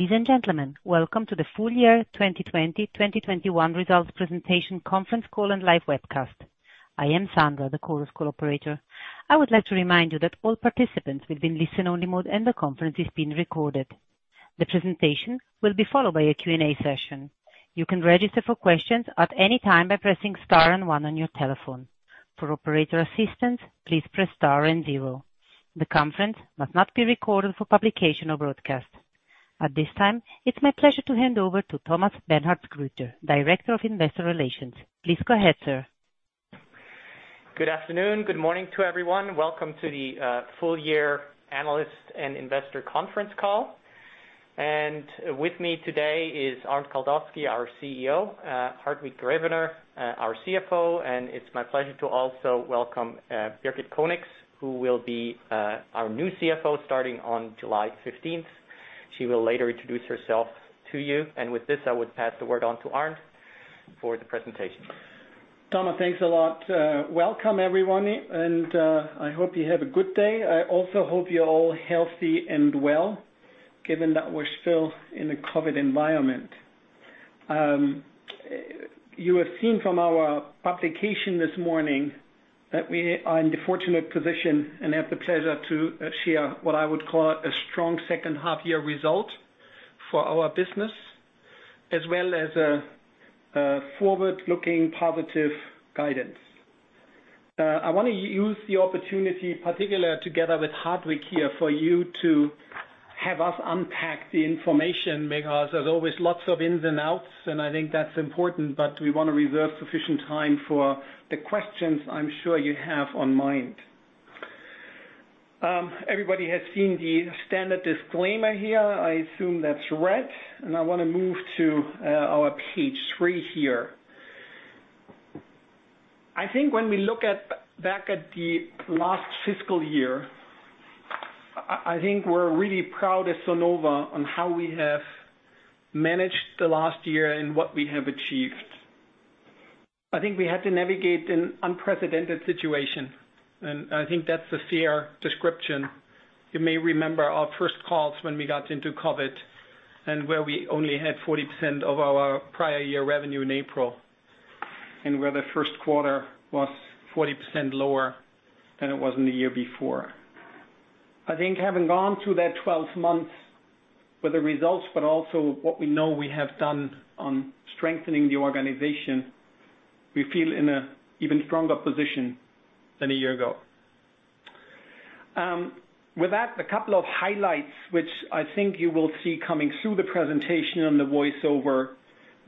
Ladies and gentlemen, welcome to the full-year 2020, 2021 Results Presentation Conference Call and Live Webcast. I am Sandra, the conference call operator. I would like to remind you that all participants will be in listen-only mode, and the conference is being recorded. The presentation will be followed by a Q&A session. You can register for questions at any time by pressing star and one on your telephone. For operator assistance, please press star and zero. The conference must not be recorded for publication or broadcast. At this time, it's my pleasure to hand over to Thomas Bernhardsgrütter, Director of Investor Relations. Please go ahead, sir. Good afternoon, good morning to everyone. Welcome to the full-year analyst and investor conference call. With me today is Arnd Kaldowski, our CEO, Hartwig Grevener, our CFO, and it's my pleasure to also welcome Birgit Conix, who will be our new CFO starting on July 15th. She will later introduce herself to you. With this, I would pass the word on to Arnd for the presentation. Thomas, thanks a lot. Welcome, everyone, and I hope you had a good day. I also hope you're all healthy and well, given that we're still in a COVID environment. You have seen from our publication this morning that we are in the fortunate position and have the pleasure to share what I would call a strong second half year result for our business, as well as a forward-looking positive guidance. I want to use the opportunity, particularly together with Hartwig here, for you to have us unpack the information because there's always lots of ins and outs, and I think that's important, but we want to reserve sufficient time for the questions I'm sure you have on mind. Everybody has seen the standard disclaimer here. I assume that's read, and I want to move to our page three here. I think when we look back at the last fiscal year, I think we're really proud at Sonova on how we have managed the last year and what we have achieved. I think we had to navigate an unprecedented situation, and I think that's a fair description. You may remember our first calls when we got into COVID and where we only had 40% of our prior year revenue in April, and where the first quarter was 40% lower than it was in the year before. I think having gone through that 12 months with the results, but also what we know we have done on strengthening the organization, we feel in an even stronger position than a year ago. With that, a couple of highlights, which I think you will see coming through the presentation and the voiceover.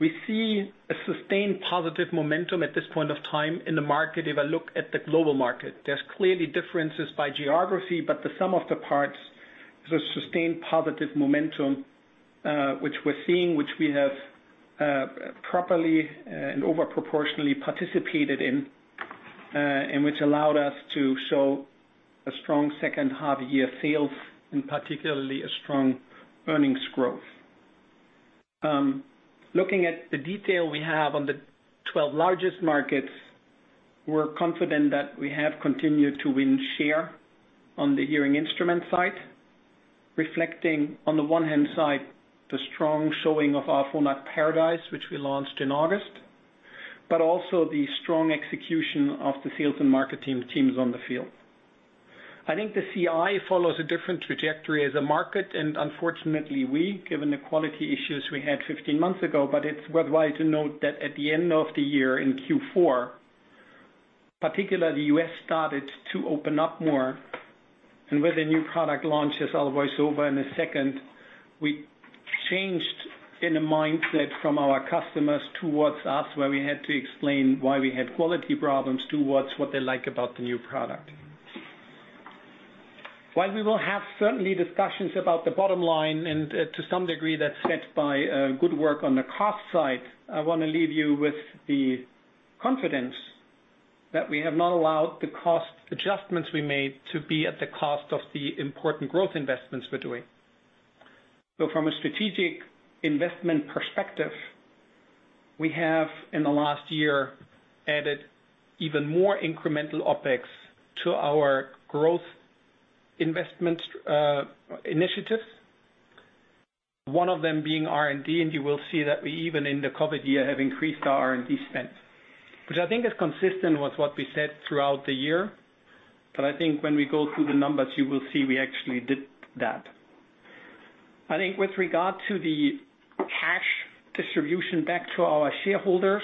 We see a sustained positive momentum at this point of time in the market if I look at the global market. There's clearly differences by geography, but the sum of the parts is a sustained positive momentum, which we're seeing, which we have properly and over proportionally participated in, and which allowed us to show a strong second half year sales, and particularly a strong earnings growth. Looking at the detail we have on the 12 largest markets, we're confident that we have continued to win share on the hearing instrument side, reflecting on the one hand side, the strong showing of our Phonak Paradise, which we launched in August, but also the strong execution of the sales and marketing teams on the field. I think the CI follows a different trajectory as a market, and unfortunately, we, given the quality issues we had 15 months ago, but it's worthwhile to note that at the end of the year in Q4, particularly the U.S. started to open up more, and with the new product launches I'll voice over in a second, we changed in a mindset from our customers towards us, where we had to explain why we had quality problems towards what they like about the new product. While we will have certainly discussions about the bottom line, and to some degree that's set by good work on the cost side, I want to leave you with the confidence that we have not allowed the cost adjustments we made to be at the cost of the important growth investments we're doing. From a strategic investment perspective, we have in the last year added even more incremental OpEx to our growth investment initiatives. One of them being R&D. You will see that we even in the COVID year have increased our R&D spend, which I think is consistent with what we said throughout the year. I think when we go through the numbers, you will see we actually did that. I think with regard to the cash distribution back to our shareholders,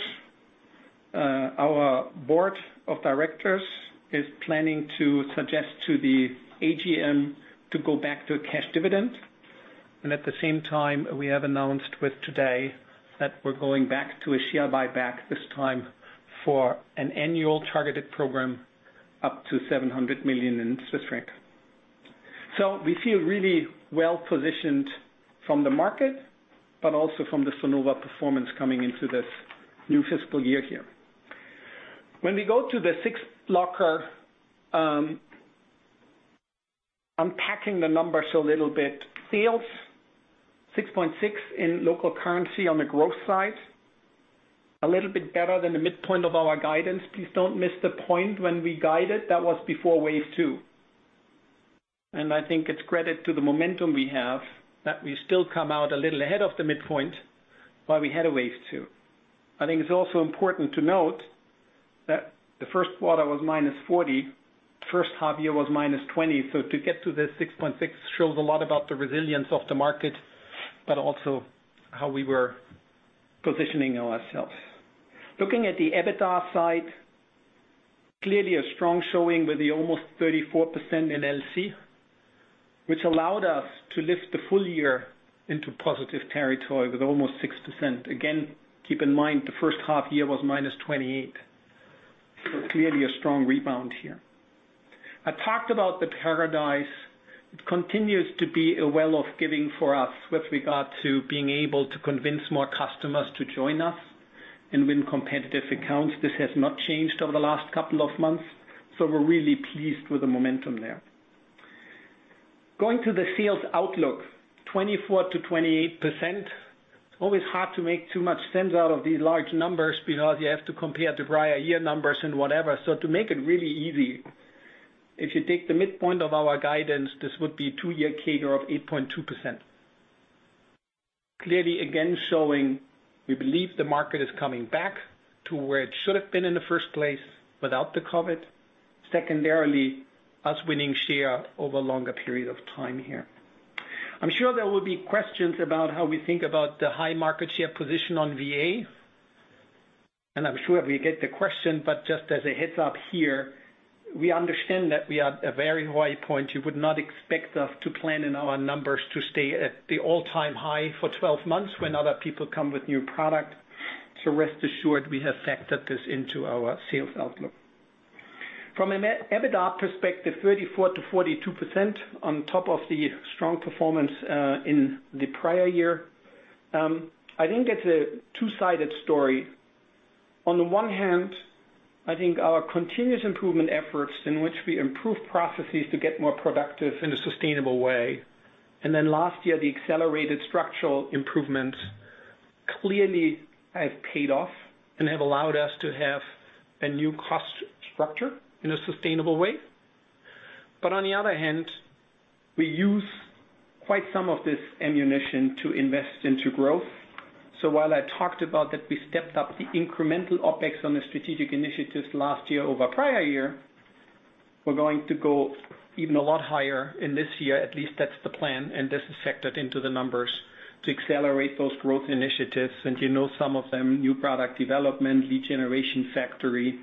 our board of directors is planning to suggest to the AGM to go back to a cash dividend. At the same time, we have announced with today that we're going back to a share buyback, this time for an annual targeted program up to 700 million. We feel really well positioned from the market, but also from the Sonova performance coming into this new fiscal year here. When we go to the sixth blocker, unpacking the numbers a little bit. Sales, 6.6% in local currency on the growth side. A little bit better than the midpoint of our guidance. Please don't miss the point when we guided, that was before wave 2. I think it's credit to the momentum we have that we still come out a little ahead of the midpoint while we had a wave 2. I think it's also important to note that the first quarter was -40%. The first half year was -20%. To get to the 6.6% shows a lot about the resilience of the market, but also how we were positioning ourselves. Looking at the EBITDA side, clearly a strong showing with the almost 34% in LC, which allowed us to lift the full-year into positive territory with almost 6%. Keep in mind the first half year was -28%. Clearly a strong rebound here. I talked about the Paradise. It continues to be a well of giving for us with regard to being able to convince more customers to join us and win competitive accounts. This has not changed over the last couple of months, we're really pleased with the momentum there. Going to the sales outlook, 24%-28%. It's always hard to make too much sense out of these large numbers because you have to compare the prior year numbers and whatever. To make it really easy, if you take the midpoint of our guidance, this would be a two-year CAGR of 8.2%. Clearly, again, showing we believe the market is coming back to where it should have been in the first place without the COVID, secondarily, us winning share over a longer period of time here. I'm sure there will be questions about how we think about the high market share position on VA, and I'm sure we get the question, but just as a heads up here, we understand that we are at a very high point. You would not expect us to plan in our numbers to stay at the all-time high for 12 months when other people come with new product. Rest assured, we have factored this into our sales outlook. From an EBITDA perspective, 34% to 42% on top of the strong performance in the prior year. I think it's a two-sided story. On the one hand, I think our continuous improvement efforts in which we improve processes to get more productive in a sustainable way, last year, the accelerated structural improvements clearly have paid off and have allowed us to have a new cost structure in a sustainable way. On the other hand, we use quite some of this ammunition to invest into growth. While I talked about that we stepped up the incremental OpEx on the strategic initiatives last year over prior year, we're going to go even a lot higher in this year. At least that's the plan, this is factored into the numbers to accelerate those growth initiatives. You know some of them, new product development, in generation factory,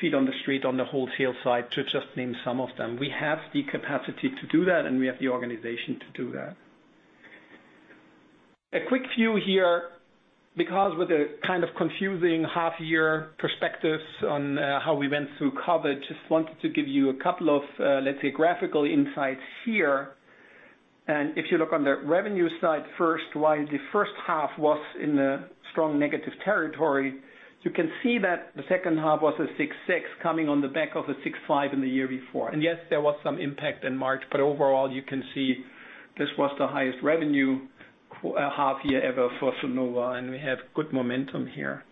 feet on the street on the wholesale side, to just name some of them. We have the capacity to do that, and we have the organization to do that. A quick view here, because with the kind of confusing half-year perspectives on how we went through COVID, just wanted to give you a couple of, let's say, graphical insights here. If you look on the revenue side first, while the first half was in a strong negative territory, you can see that the second half was 6.6% coming on the back of 6.5% in the year before. Yes, there was some impact in March, but overall, you can see this was the highest revenue half year ever for Sonova, and we have good momentum here.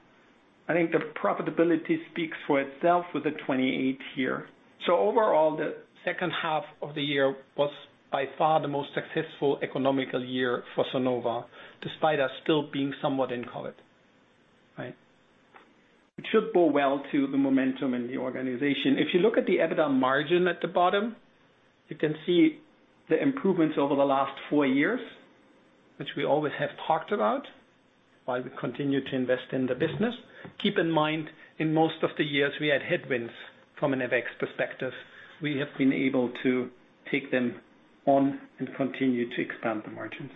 I think the profitability speaks for itself with 28% here. Overall, the second half of the year was by far the most successful economical year for Sonova, despite us still being somewhat in COVID. It should bode well to the momentum in the organization. If you look at the EBITDA margin at the bottom, you can see the improvements over the last four years, which we always have talked about while we continue to invest in the business. Keep in mind, in most of the years, we had headwinds from an FX perspective. We have been able to take them on and continue to expand the margins.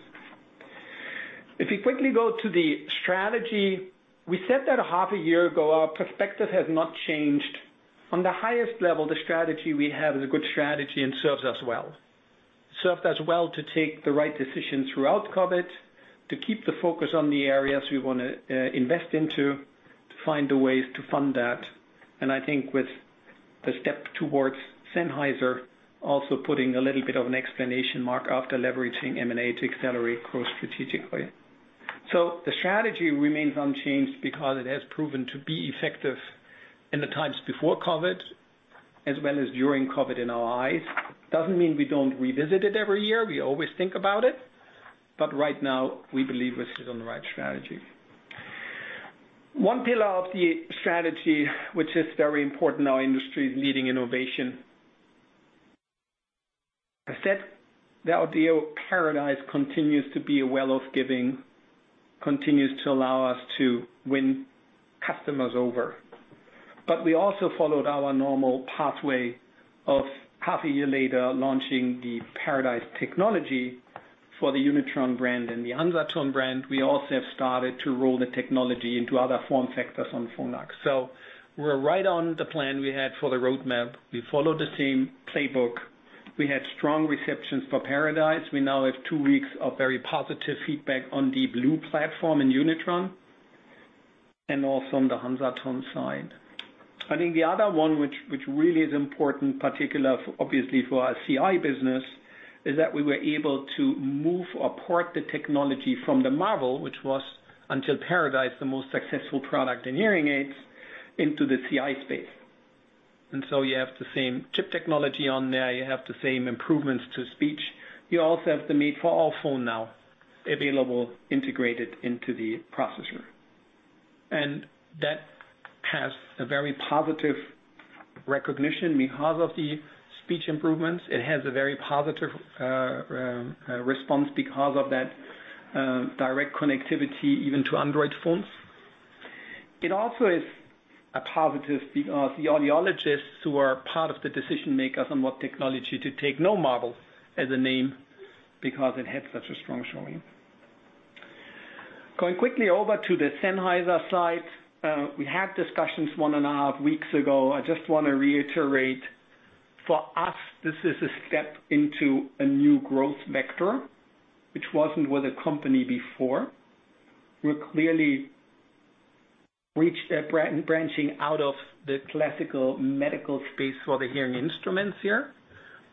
Quickly go to the strategy, we said that a half a year ago, our perspective has not changed. On the highest level, the strategy we have is a good strategy and serves us well. Serves us well to take the right decision throughout COVID, to keep the focus on the areas we want to invest into, to find the ways to fund that, and I think with the step towards Sennheiser, also putting a little bit of an explanation mark after leveraging M&A to accelerate growth strategically. The strategy remains unchanged because it has proven to be effective in the times before COVID, as well as during COVID in our eyes. Doesn't mean we don't revisit it every year. We always think about it. Right now, we believe this is the right strategy. One pillar of the strategy, which is very important in our industry, is leading innovation. As said, the Audéo Paradise continues to be a well of giving, continues to allow us to win customers over. We also followed our normal pathway of half a year later launching the Paradise technology for the Unitron brand and the Hansaton brand. We also have started to roll the technology into other form factors on Phonak. We're right on the plan we had for the roadmap. We followed the same playbook. We had strong receptions for Paradise. We now have two weeks of very positive feedback on the Blu platform in Unitron, and also on the Hansaton side. I think the other one which really is important, particularly obviously for our CI business, is that we were able to move a part of the technology from the Marvel, which was, until Paradise, the most successful product in hearing aids, into the CI space. You have the same chip technology on there, you have the same improvements to speech. You also have the Made for All phone now available integrated into the processor. That has a very positive recognition because of the speech improvements. It has a very positive response because of that direct connectivity even to Android phones. It also is a positive because the audiologists who are part of the decision makers on what technology to take, know Marvel as a name because it had such a strong showing. Going quickly over to the Sennheiser side. We had discussions one and a half weeks ago. I just want to reiterate, for us, this is a step into a new growth vector, which wasn't with the company before. We're clearly reached a branching out of the classical medical space for the hearing instruments here.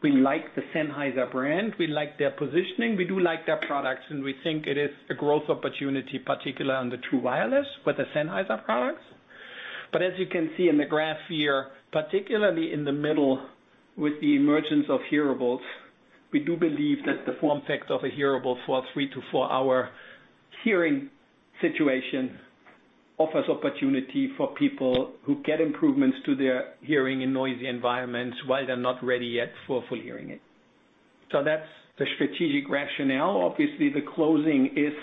We like the Sennheiser brand. We like their positioning. We do like their products. We think it is a growth opportunity, particularly on the true wireless with the Sennheiser products. As you can see in the graph here, particularly in the middle with the emergence of hearables, we do believe that the form factor of a hearable for a three to four hour hearing situation offers opportunity for people who get improvements to their hearing in noisy environments while they're not ready yet for a full hearing aid. That's the strategic rationale. Obviously, the closing is,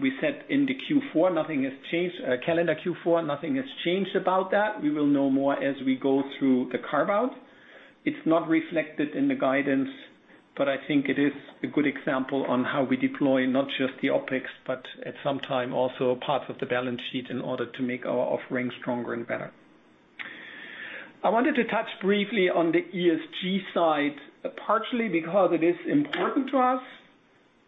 we said in the Q4, nothing has changed. Calendar Q4, nothing has changed about that. We will know more as we go through the carve-out. It's not reflected in the guidance, I think it is a good example on how we deploy not just the OpEx, but at some time, also a part of the balance sheet in order to make our offering stronger and better. I wanted to touch briefly on the ESG side, partially because it is important to us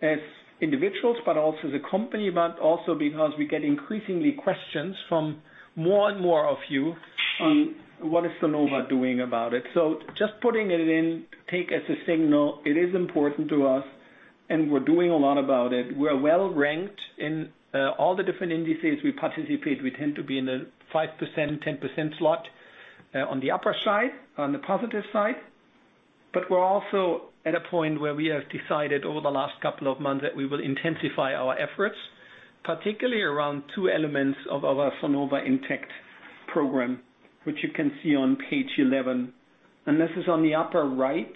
as individuals, but also the company, but also because we get increasingly questions from more and more of you on what is Sonova doing about it. Just putting it in, take as a signal, it is important to us and we're doing a lot about it. We're well ranked in all the different indices we participate. We tend to be in the 5%, 10% slot on the upper side, on the positive side. We're also at a point where we have decided over the last couple of months that we will intensify our efforts, particularly around two elements of our Sonova IntACT program, which you can see on page 11. This is on the upper right,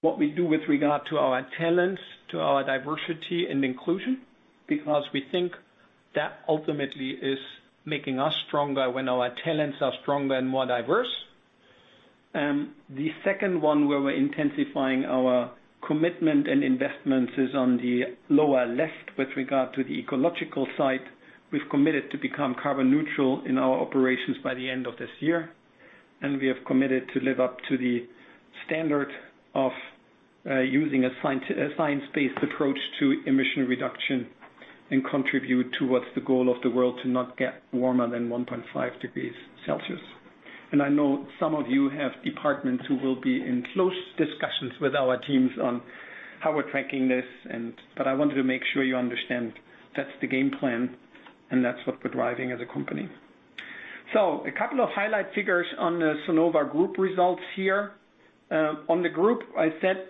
what we do with regard to our talents, to our diversity and inclusion, because we think that ultimately is making us stronger when our talents are stronger and more diverse. The second one where we're intensifying our commitment and investments is on the lower left with regard to the ecological side. We've committed to become carbon neutral in our operations by the end of this year, and we have committed to live up to the standard of using a science-based approach to emission reduction and contribute towards the goal of the world to not get warmer than 1.5 degrees Celsius. I know some of you have departments who will be in close discussions with our teams on how we're tracking this. I wanted to make sure you understand that's the game plan and that's what we're driving as a company. A couple of highlight figures on the Sonova group results here. On the group, I said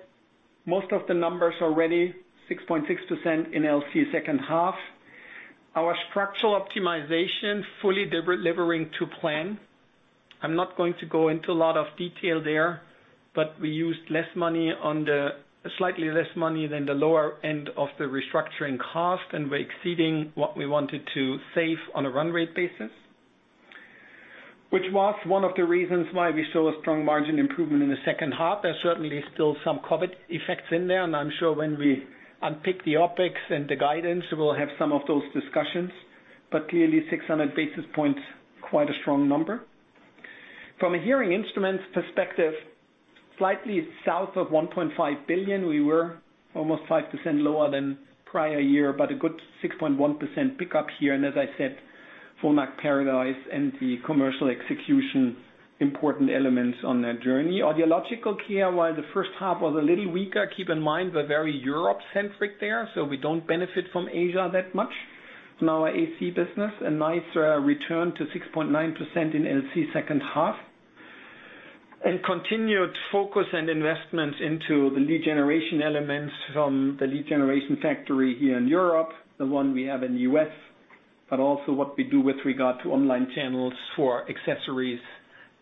most of the numbers already, 6.6% in LC second half. Our structural optimization fully delivering to plan. I'm not going to go into a lot of detail there, but I used slightly less money than the lower end of the restructuring cost, and we're exceeding what we wanted to save on a run rate basis, which was one of the reasons why we saw a strong margin improvement in the second half. There's certainly still some COVID effects in there, and I'm sure when we unpick the OpEx and the guidance, we'll have some of those discussions. Clearly, 600 basis points, quite a strong number. From a hearing instruments perspective, slightly south of 1.5 billion. We were almost 5% lower than prior year, but a good 6.1% pickup here, and as I said, Phonak Paradise and the commercial execution, important elements on that journey. Audiological care, while the first half was a little weaker, keep in mind, we're very Europe-centric there, so we don't benefit from Asia that much from our AC business. A nice return to 6.9% in LC second half. Continued focus and investment into the lead generation elements from the lead generation factory here in Europe, the one we have in the U.S., but also what we do with regard to online channels for accessories,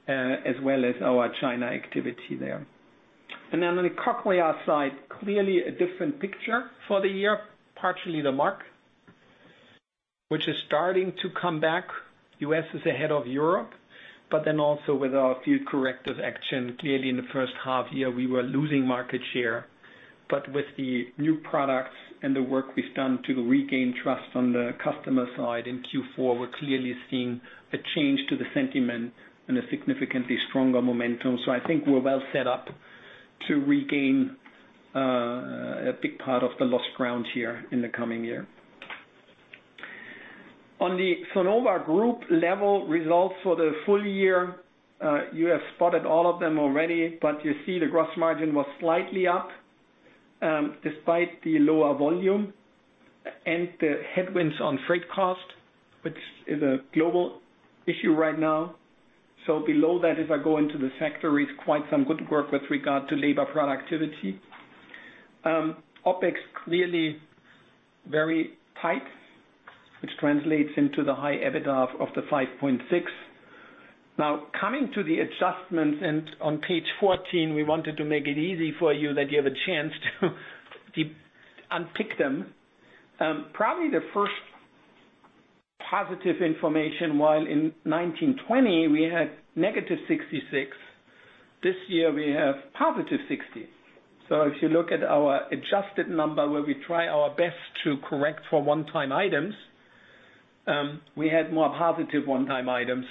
as well as our China activity there. On the Cochlear side, clearly a different picture for the year, partially the market, which is starting to come back. U.S. is ahead of Europe, also with a few corrective actions. Clearly in the first half year, we were losing market share. With the new products and the work we've done to regain trust on the customer side in Q4, we're clearly seeing a change to the sentiment and a significantly stronger momentum. I think we're well set up to regain a big part of the lost ground here in the coming year. On the Sonova Group level results for the full-year, you have spotted all of them already, but you see the gross margin was slightly up despite the lower volume and the headwinds on freight cost, which is a global issue right now. Below that, as I go into the sector, is quite some good work with regard to labor productivity. OpEx clearly very tight, which translates into the high EBITDA of the 5.6. Coming to the adjustments, and on page 14, we wanted to make it easy for you that you have a chance to unpick them. Probably the first positive information, while in 2020 we had -66, this year we have +60. If you look at our adjusted number where we try our best to correct for one-time items, we had more positive one-time items.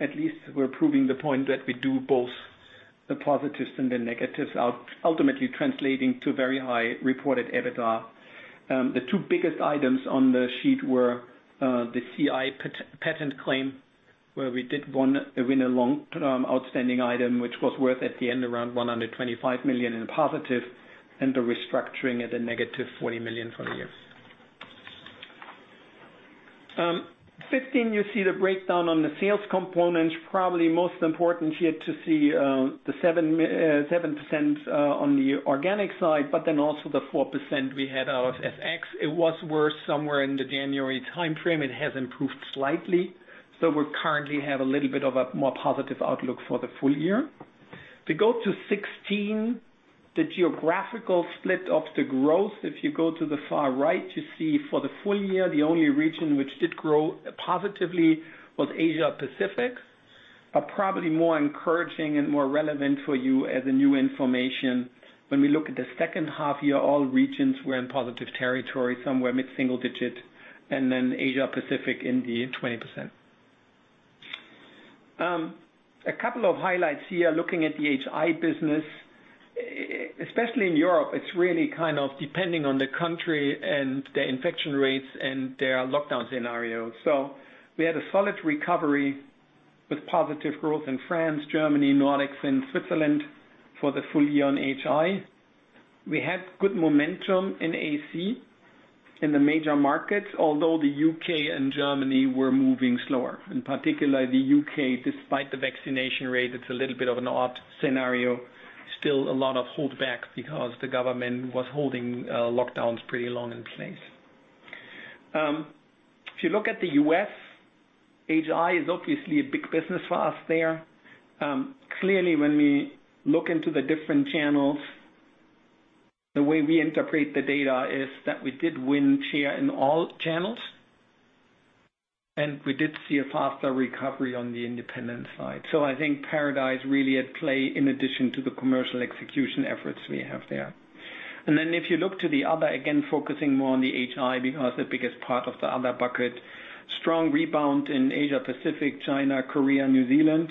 At least we're proving the point that we do both the positives and the negatives, ultimately translating to very high reported EBITDA. The two biggest items on the sheet were the CI patent claim, where we did win a long-term outstanding item, which was worth at the end around 125 million in positive, and the restructuring at a negative 40 million for the year. 15, you see the breakdown on the sales components, probably most important here to see the 7% on the organic side, but then also the 4% we had out FX. It was worse somewhere in the January timeframe. It has improved slightly. We currently have a little bit of a more positive outlook for the full-year. If you go to 16, the geographical split of the growth, if you go to the far right, you see for the full-year, the only region which did grow positively was Asia-Pacific. Probably more encouraging and more relevant for you as new information, when we look at the second half year, all regions were in positive territory, somewhere mid-single digit, and then Asia-Pacific in the 20%. A couple of highlights here, looking at the HI business, especially in Europe, it is really kind of depending on the country and the infection rates and their lockdown scenario. We had a solid recovery with positive growth in France, Germany, Nordics, and Switzerland for the full-year on HI. We had good momentum in AC in the major markets, although the U.K. and Germany were moving slower. In particular, the U.K., despite the vaccination rate, it's a little bit of an odd scenario. Still a lot of hold back because the government was holding lockdowns pretty long in place. If you look at the U.S., HI is obviously a big business for us there. Clearly, when we look into the different channels, the way we integrate the data is that we did win share in all channels, and we did see a faster recovery on the independent side. I think Paradise really at play in addition to the commercial execution efforts we have there. If you look to the other, again, focusing more on the HI being as the biggest part of the other bucket, strong rebound in Asia-Pacific, China, Korea, New Zealand,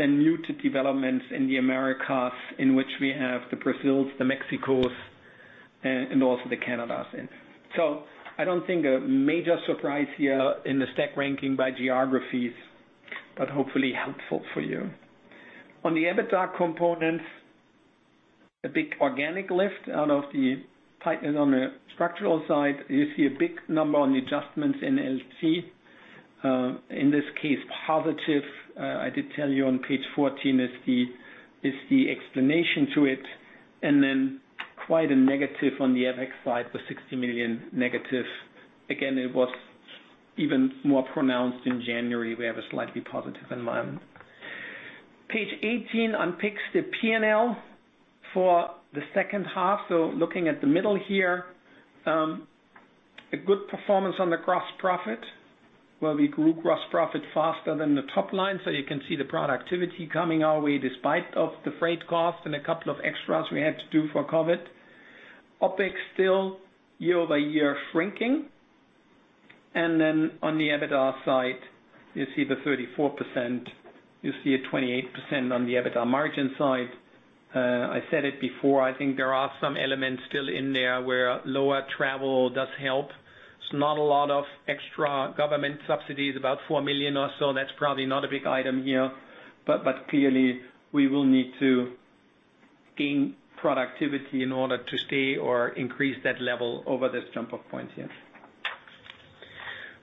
muted developments in the Americas in which we have the Brazils, the Mexicos, and also the Canadas. I don't think a major surprise here in the stack ranking by geographies, but hopefully helpful for you. On the EBITDA components, a big organic lift out of the tightness on the structural side. You see a big number on the adjustments in LC. In this case, positive, I did tell you on page 14 is the explanation to it, and then quite a negative on the FX side, the 60 million negative. It was even more pronounced in January. We have a slightly positive alignment. Page 18 unpicks the P&L for the second half. Looking at the middle here, a good performance on the gross profit, where we grew gross profit faster than the top line. You can see the productivity coming our way despite of the freight cost and a couple of extras we had to do for COVID. OpEx still year-over-year shrinking. On the EBITDA side, you see the 34%, you see a 28% on the EBITDA margin side. I said it before, I think there are some elements still in there where lower travel does help. Not a lot of extra government subsidies, about 4 million or so. That's probably not a big item here, but clearly we will need to gain productivity in order to stay or increase that level over this jump of points here.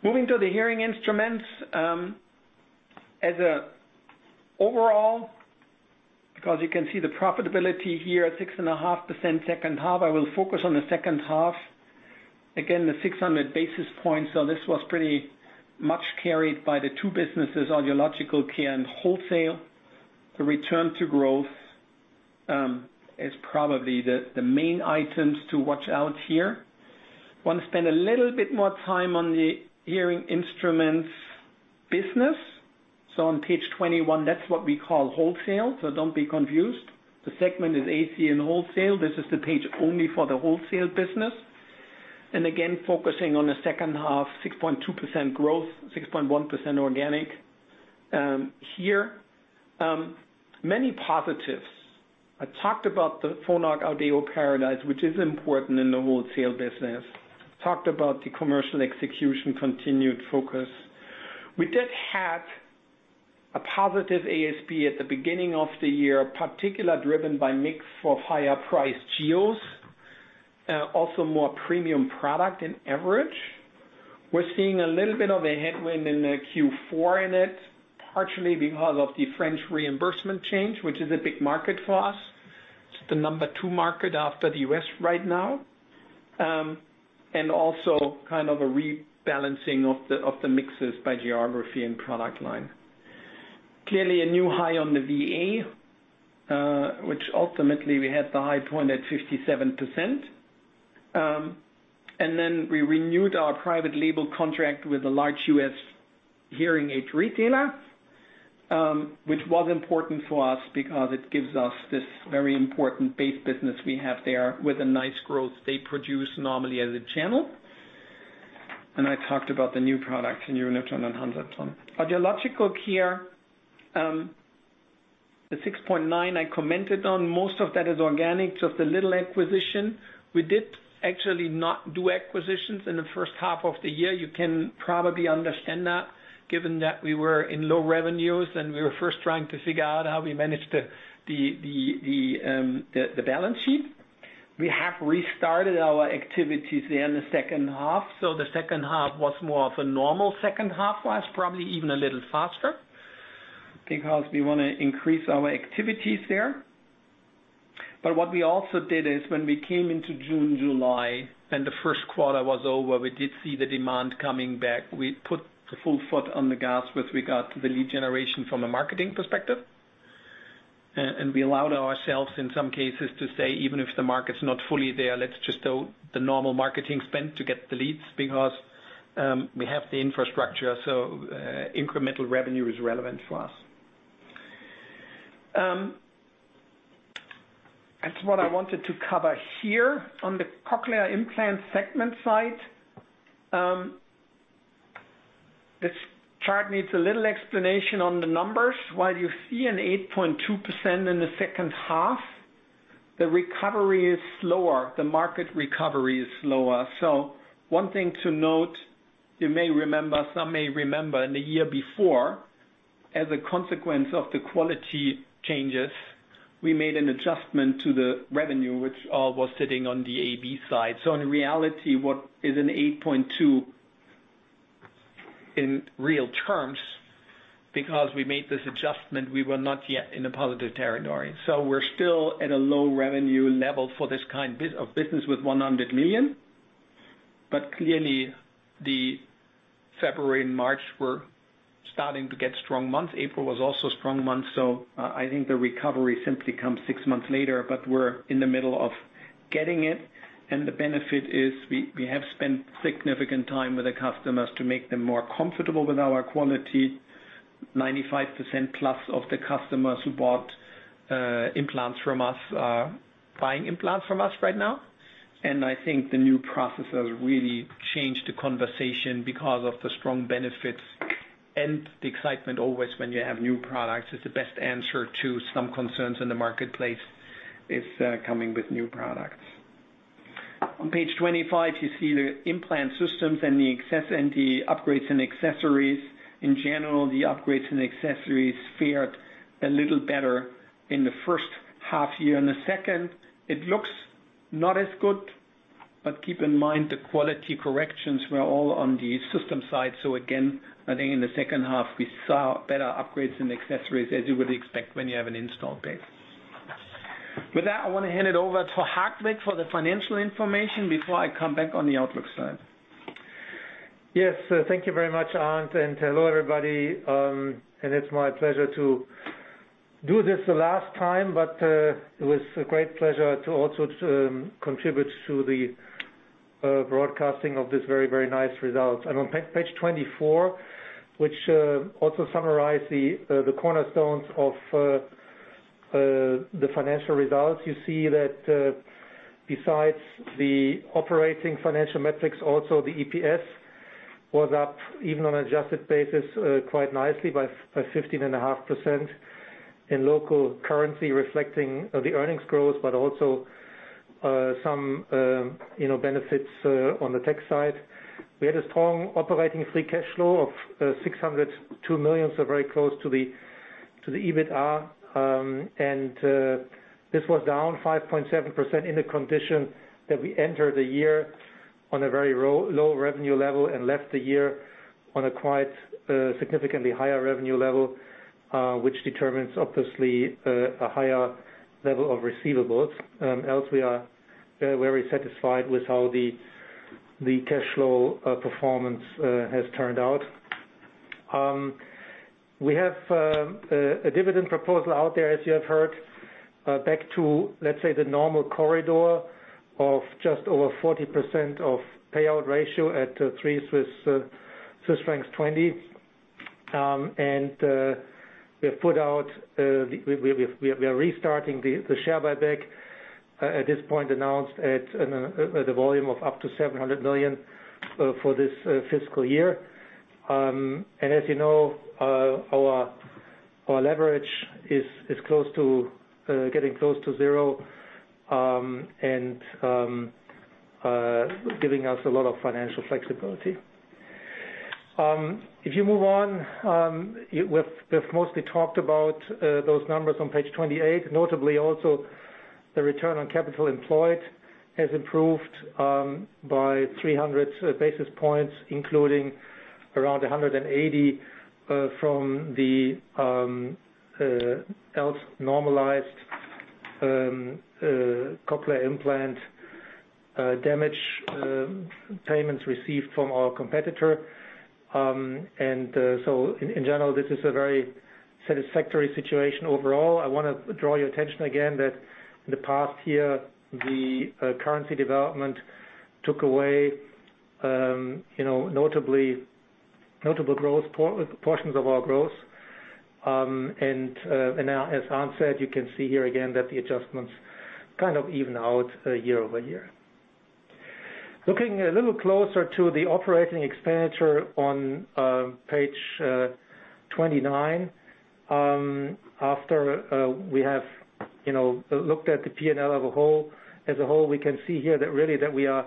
Moving to the hearing instruments. As an overall, because you can see the profitability here at 6.5% second half, I will focus on the second half. Again, the 600 basis points. This was pretty much carried by the two businesses, Audiological Care and wholesale. The return to growth is probably the main items to watch out here. want to spend a little bit more time on the hearing instruments business. On page 21, that's what we call wholesale. Don't be confused. The segment is AC and wholesale. This is the page only for the wholesale business. Again, focusing on the second half, 6.2% growth, 6.1% organic. Here, many positives. I talked about the Phonak Audéo Paradise, which is important in the wholesale business. Talked about the commercial execution continued focus. We did have a positive ASP at the beginning of the year, particularly driven by mix of higher priced geos, also more premium product than average. We're seeing a little bit of a headwind in the Q4 in it, partially because of the French reimbursement change, which is a big market for us. It's the number two market after the U.S. right now. Also a rebalancing of the mixes by geography and product line. Clearly a new high on the VA, which ultimately we had the high point at 57%. Then we renewed our private label contract with a large U.S. hearing aid retailer, which was important for us because it gives us this very important base business we have there with a nice growth they produce normally as a channel. I talked about the new products in Unitron and Hansaton. Audiological care, the 6.9% I commented on, most of that is organic. The little acquisition, we did actually not do acquisitions in the first half of the year. You can probably understand that given that we were in low revenues and we were first trying to figure out how we manage the balance sheet. We have restarted our activities there in the second half. The second half was more of a normal second half for us, probably even a little faster, because we want to increase our activities there. What we also did is when we came into June, July and the first quarter was over, we did see the demand coming back. We put the full foot on the gas with regard to the lead generation from a marketing perspective. We allowed ourselves, in some cases, to say, even if the market's not fully there, let's just do the normal marketing spend to get the leads because we have the infrastructure, so incremental revenue is relevant for us. That's what I wanted to cover here. On the Cochlear Implant segment side, this chart needs a little explanation on the numbers. While you see an 8.2% in the second half, the recovery is slower, the market recovery is slower. One thing to note, some may remember in the year before, as a consequence of the quality changes, we made an adjustment to the revenue, which all was sitting on the AB side. In reality, what is an 8.2 in real terms, because we made this adjustment, we were not yet in a positive territory. We're still at a low revenue level for this kind of business with 100 million. Clearly February, March were starting to get strong months. April was also a strong month. I think the recovery simply comes six months later, but we're in the middle of getting it. The benefit is we have spent significant time with the customers to make them more comfortable with our quality. 95% plus of the customers who bought implants from us are buying implants from us right now. I think the new processes really changed the conversation because of the strong benefits and the excitement always when you have new products is the best answer to some concerns in the marketplace is coming with new products. On page 25, you see the implant systems and the upgrades and accessories. In general, the upgrades and accessories fared a little better in the first half year. In the second half, it looks not as good, keep in mind the quality corrections were all on the system side. Again, I think in the second half, we saw better upgrades and accessories as you would expect when you have an install base. With that, I want to hand it over to Hartwig Grevener for the financial information before I come back on the outlook slide. Yes. Thank you very much, Arnd. Hello, everybody. It's my pleasure to do this the last time, but it was a great pleasure to also contribute to the broadcasting of this very, very nice result. On page 24, which also summarized the cornerstones of the financial results, you see that besides the operating financial metrics, also the EPS was up even on adjusted basis quite nicely by 15.5% in local currency, reflecting the earnings growth, but also some benefits on the tax side. We had a strong operating free cash flow of 602 million, so very close to the EBITDA. This was down 5.7% in the condition that we entered the year on a very low revenue level and left the year on a quite significantly higher revenue level, which determines obviously a higher level of receivables. Else we are very satisfied with how the cash flow performance has turned out. We have a dividend proposal out there, as you have heard, back to, let's say, the normal corridor of just over 40% of payout ratio at 3.20 Swiss francs. We are restarting the share buyback at this point, announced at a volume of up to 700 million for this fiscal year. As you know, our leverage is getting close to zero, and giving us a lot of financial flexibility. If you move on, we have mostly talked about those numbers on page 28. Notably also, the return on capital employed has improved by 300 basis points, including around 180 from the else normalized cochlear implant damage payments received from our competitor. In general, this is a very satisfactory situation overall. I want to draw your attention again that in the past year, the currency development took away notable portions of our growth. As Arnd Kaldowski said, you can see here again that the adjustments kind of even out year-over-year. Looking a little closer to the operating expenditure on page 29. After we have looked at the P&L as a whole, we can see here that really that we are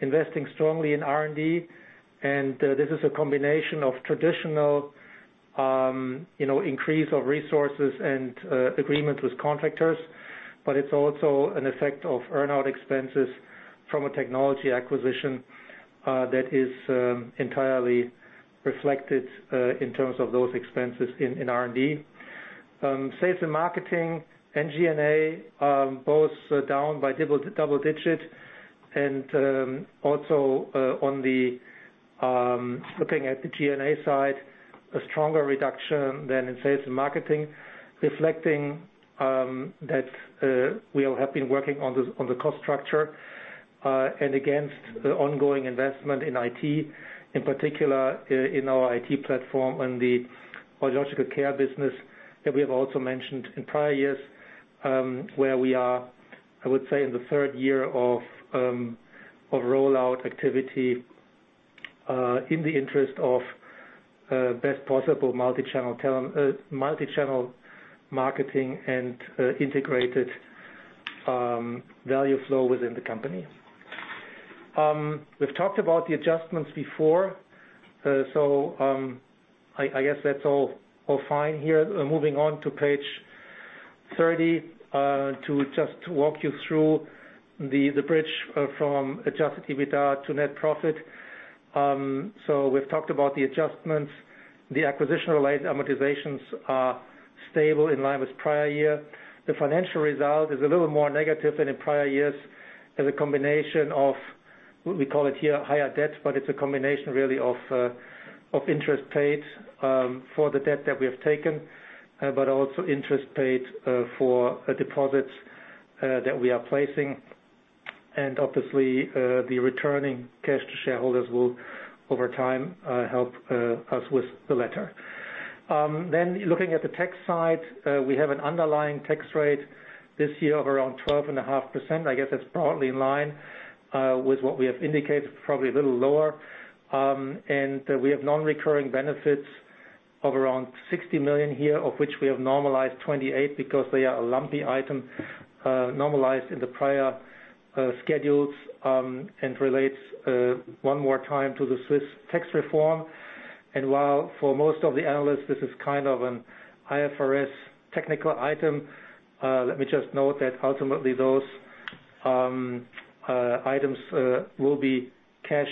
investing strongly in R&D, this is a combination of traditional increase of resources and agreement with contractors, it's also an effect of earn-out expenses from a technology acquisition that is entirely reflected in terms of those expenses in R&D. Sales and marketing and G&A, both down by double-digit. Also looking at the G&A side, a stronger reduction than in sales and marketing, reflecting that we have been working on the cost structure, and against the ongoing investment in IT, in particular in our IT platform and the audiological care business that we have also mentioned in prior years, where we are, I would say, in the third year of rollout activity in the interest of best possible multi-channel marketing and integrated value flow within the company. We've talked about the adjustments before. I guess that's all fine here. Moving on to page 30. To just walk you through the bridge from adjusted EBITDA to net profit. We've talked about the adjustments. The acquisition-related amortizations are stable in line with prior year. The financial result is a little more negative than in prior years as a combination of what we call it here, higher debt, but it's a combination really of interest paid for the debt that we have taken, but also interest paid for deposits that we are placing. Obviously, the returning cash to shareholders will over time help us with the latter. Looking at the tax side, we have an underlying tax rate this year of around 12.5%. I guess that's broadly in line with what we have indicated, it's probably a little lower. We have non-recurring benefits of around 60 million here, of which we have normalized 28 because they are a lumpy item normalized in the prior schedules and relates one more time to the Swiss tax reform. While for most of the analysts this is kind of an IFRS technical item, let me just note that ultimately those items will be cash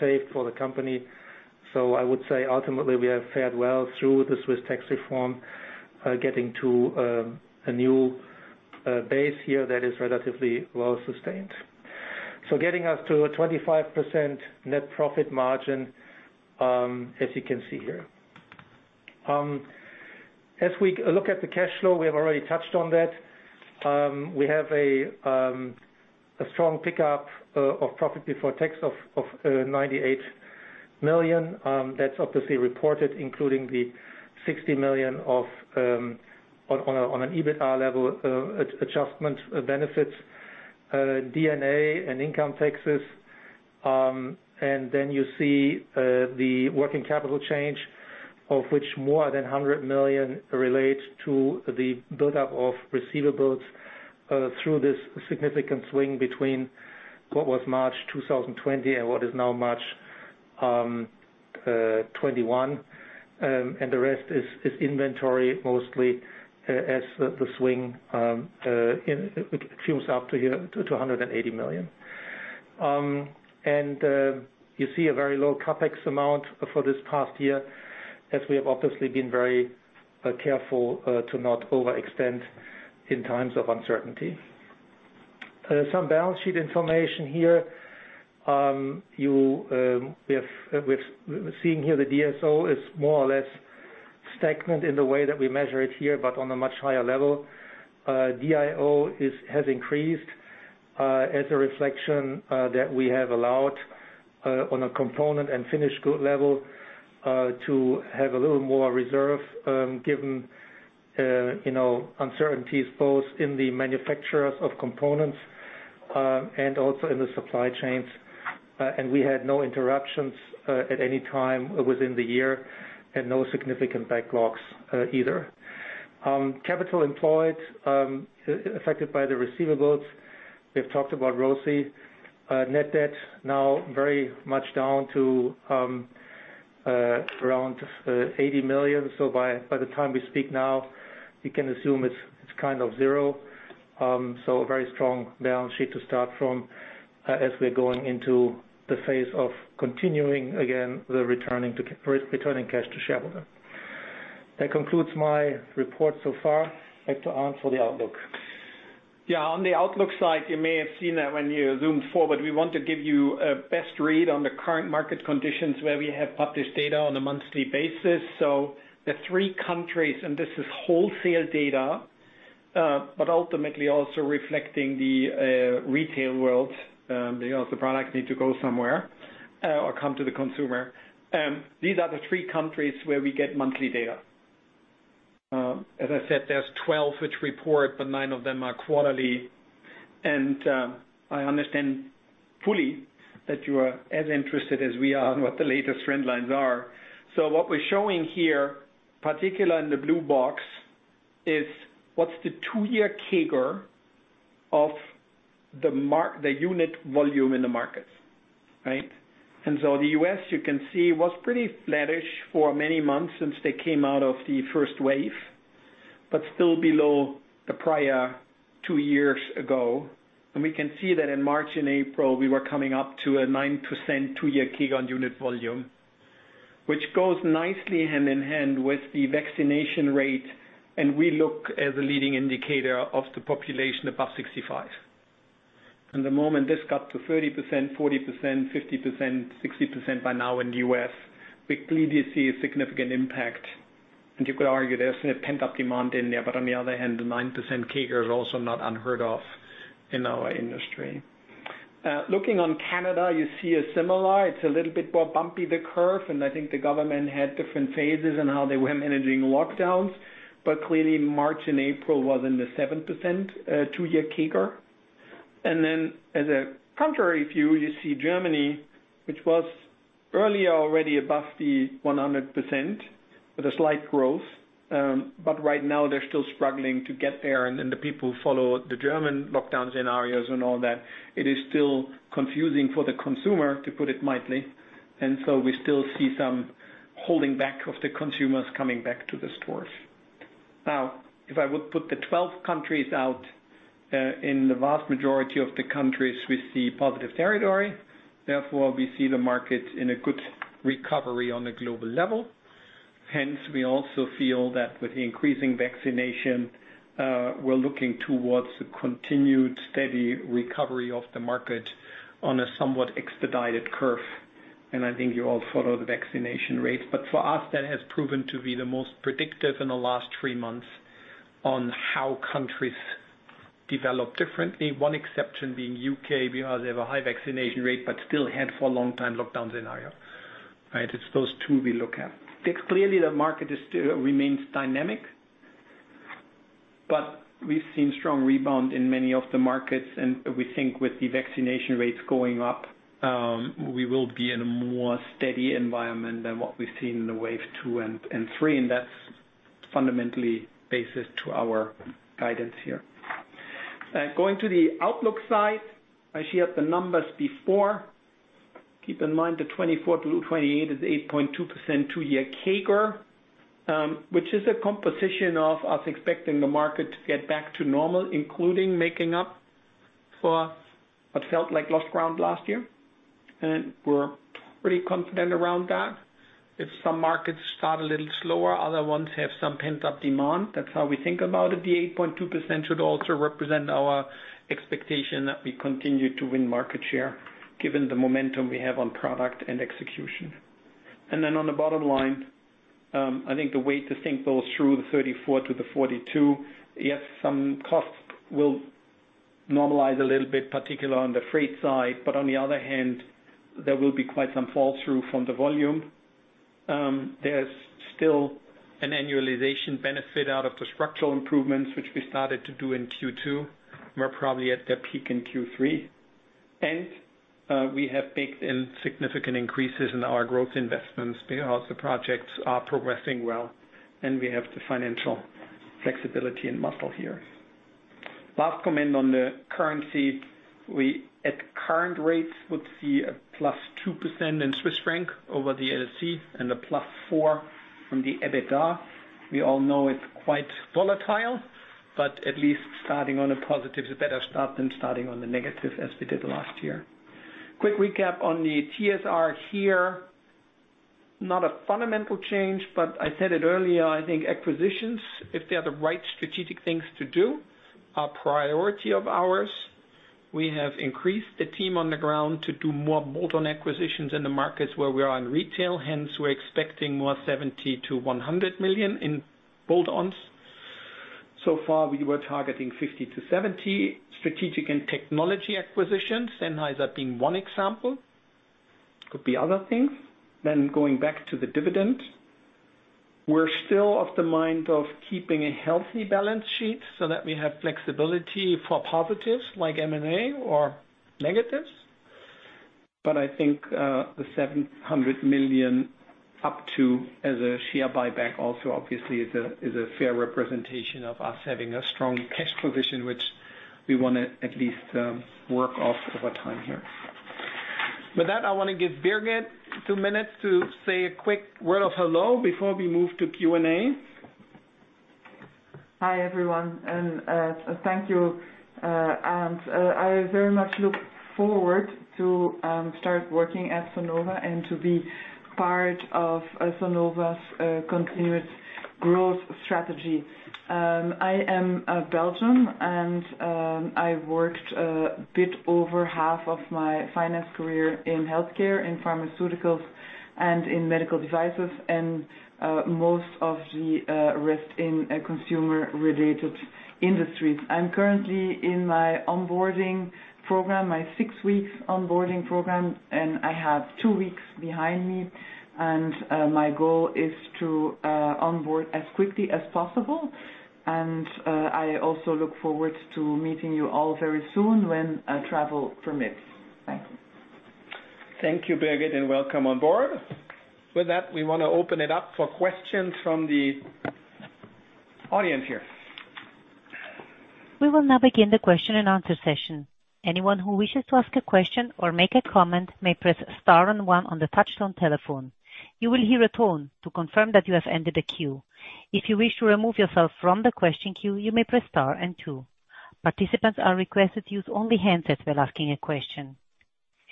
safe for the company. I would say ultimately, we have fared well through the Swiss tax reform, getting to a new base here that is relatively well sustained. Getting us to a 25% net profit margin, as you can see here. If we look at the cash flow, we have already touched on that. We have a strong pickup of profit before tax of 98 million. That's obviously reported including the 60 million on an EBITDA level adjustment benefit, D&A, and income taxes. Then you see the working capital change, of which more than 100 million relate to the buildup of receivables through this significant swing between what was March 2020 and what is now March 2021. The rest is inventory, mostly as the swing fuels up to here to 280 million. You see a very low CapEx amount for this past year, as we have obviously been very careful to not overextend in times of uncertainty. Some balance sheet information here. We are seeing here the DSO is more or less stagnant in the way that we measure it here, but on a much higher level. DIO has increased as a reflection that we have allowed on a component and finished good level to have a little more reserve given uncertainties both in the manufacturers of components and also in the supply chains. We had no interruptions at any time within the year and no significant backlogs either. Capital employed affected by the receivables. We have talked about ROCE. Net debt now very much down to around 80 million. By the time we speak now, we can assume it's zero. A very strong balance sheet to start from as we're going into the phase of continuing again, the returning cash to shareholder. That concludes my report so far. Let's answer the outlook. On the outlook slide, you may have seen that when you zoomed forward, we want to give you a best read on the current market conditions where we have published data on a monthly basis. The three countries, and this is wholesale data, but ultimately also reflecting the retail world, the other product need to go somewhere or come to the consumer. These are the three countries where we get monthly data. As I said, there's 12 which report, but nine of them are quarterly, and I understand fully that you are as interested as we are in what the latest trend lines are. What we're showing here, particularly in the blue box, is what's the two-year CAGR of the unit volume in the markets. Right? The U.S., you can see, was pretty flattish for many months since they came out of the first wave, but still below the prior two years ago. We can see that in March and April, we were coming up to a 9% two-year CAGR unit volume, which goes nicely hand in hand with the vaccination rate, and we look as a leading indicator of the population above 65. The moment this got to 30%, 40%, 50%, 60% by now in the U.S., we clearly see a significant impact. You could argue there's pent-up demand in there, but on the other hand, the 9% CAGR is also not unheard of in our industry. Looking on Canada, you see a similar, it's a little bit more bumpy, the curve. I think the government had different phases in how they went in and doing lockdowns, but clearly March and April was in the 7% two-year CAGR. As a contrary view, you see Germany, which was earlier already above the 100% with a slight growth. Right now they're still struggling to get there. The people follow the German lockdown scenarios and all that. It is still confusing for the consumer, to put it mildly. We still see some holding back of the consumers coming back to the stores. Now, if I would put the 12 countries out, in the vast majority of the countries, we see positive territory. Therefore, we see the market in a good recovery on a global level. Hence, we also feel that with increasing vaccination, we're looking towards a continued steady recovery of the market on a somewhat expedited curve. I think you all follow the vaccination rates. For us, that has proven to be the most predictive in the last three months on how countries develop differently. One exception being U.K., because they have a high vaccination rate, but still had for a long time lockdowns in Ireland. Right. It's those two we look at. Clearly, the market remains dynamic, but we've seen strong rebound in many of the markets. We think with the vaccination rates going up, we will be in a more steady environment than what we've seen in the waves two and three. That's fundamentally basis to our guidance here. Going to the outlook side, I showed the numbers before. Keep in mind the 2024 to 2028 is 8.2% two-year CAGR, which is a composition of us expecting the market to get back to normal, including making up for what felt like lost ground last year. We're pretty confident around that. If some markets start a little slower, other ones have some pent-up demand. That's how we think about it. The 8.2% should also represent our expectation that we continue to win market share, given the momentum we have on product and execution. On the bottom line, I think the way to think goes through the 34%-42%. Yes, some costs will normalize a little bit, particularly on the freight side, on the other hand, there will be quite some fall through from the volume. There's still an annualization benefit out of the structural improvements which we started to do in Q2. We're probably at their peak in Q3. We have baked in significant increases in our growth investments because the projects are progressing well, and we have the financial flexibility and muscle here. Last comment on the currency. We, at current rates, would see a +2% in CHF over the LC and a +4% on the EBITDA. We all know it's quite volatile, but at least starting on a positive is a better start than starting on the negatives as we did last year. Quick recap on the TSR here. Not a fundamental change, but I said it earlier, I think acquisitions, if they are the right strategic things to do, are priority of ours. We have increased the team on the ground to do more bolt-on acquisitions in the markets where we are in retail. We are expecting 70 million-100 million in bolt-ons. So far, we were targeting 50 million-70 million strategic and technology acquisitions, Sennheiser being one example. Could be other things. Going back to the dividend, we are still of the mind of keeping a healthy balance sheet so that we have flexibility for positives like M&A or negatives. I think the 700 million up to as a share buyback also obviously is a fair representation of us having a strong cash provision, which we want to at least work off over time here. With that, I want to give Birgit two minutes to say a quick word of hello before we move to Q&A. Hi, everyone, and thank you. I very much look forward to start working at Sonova and to be part of Sonova's continued growth strategy. I am a Belgian, and I worked a bit over half of my finance career in healthcare, in pharmaceuticals, and in medical devices, and most of the rest in consumer-related industries. I'm currently in my six weeks onboarding program, and I have two weeks behind me. My goal is to onboard as quickly as possible. I also look forward to meeting you all very soon when travel permits. Thanks. Thank you, Birgit, and welcome on board. With that, we want to open it up for questions from the audience here. We will now begin the question-and-answer session. Anyone who wishes to ask a question or make a comment may press star and one on the touchtone telephone. You will hear a tone to confirm that you have entered the queue. If you wish to remove yourself from the question queue, you may press star and two. Participants are requested to use only hands if they're asking a question.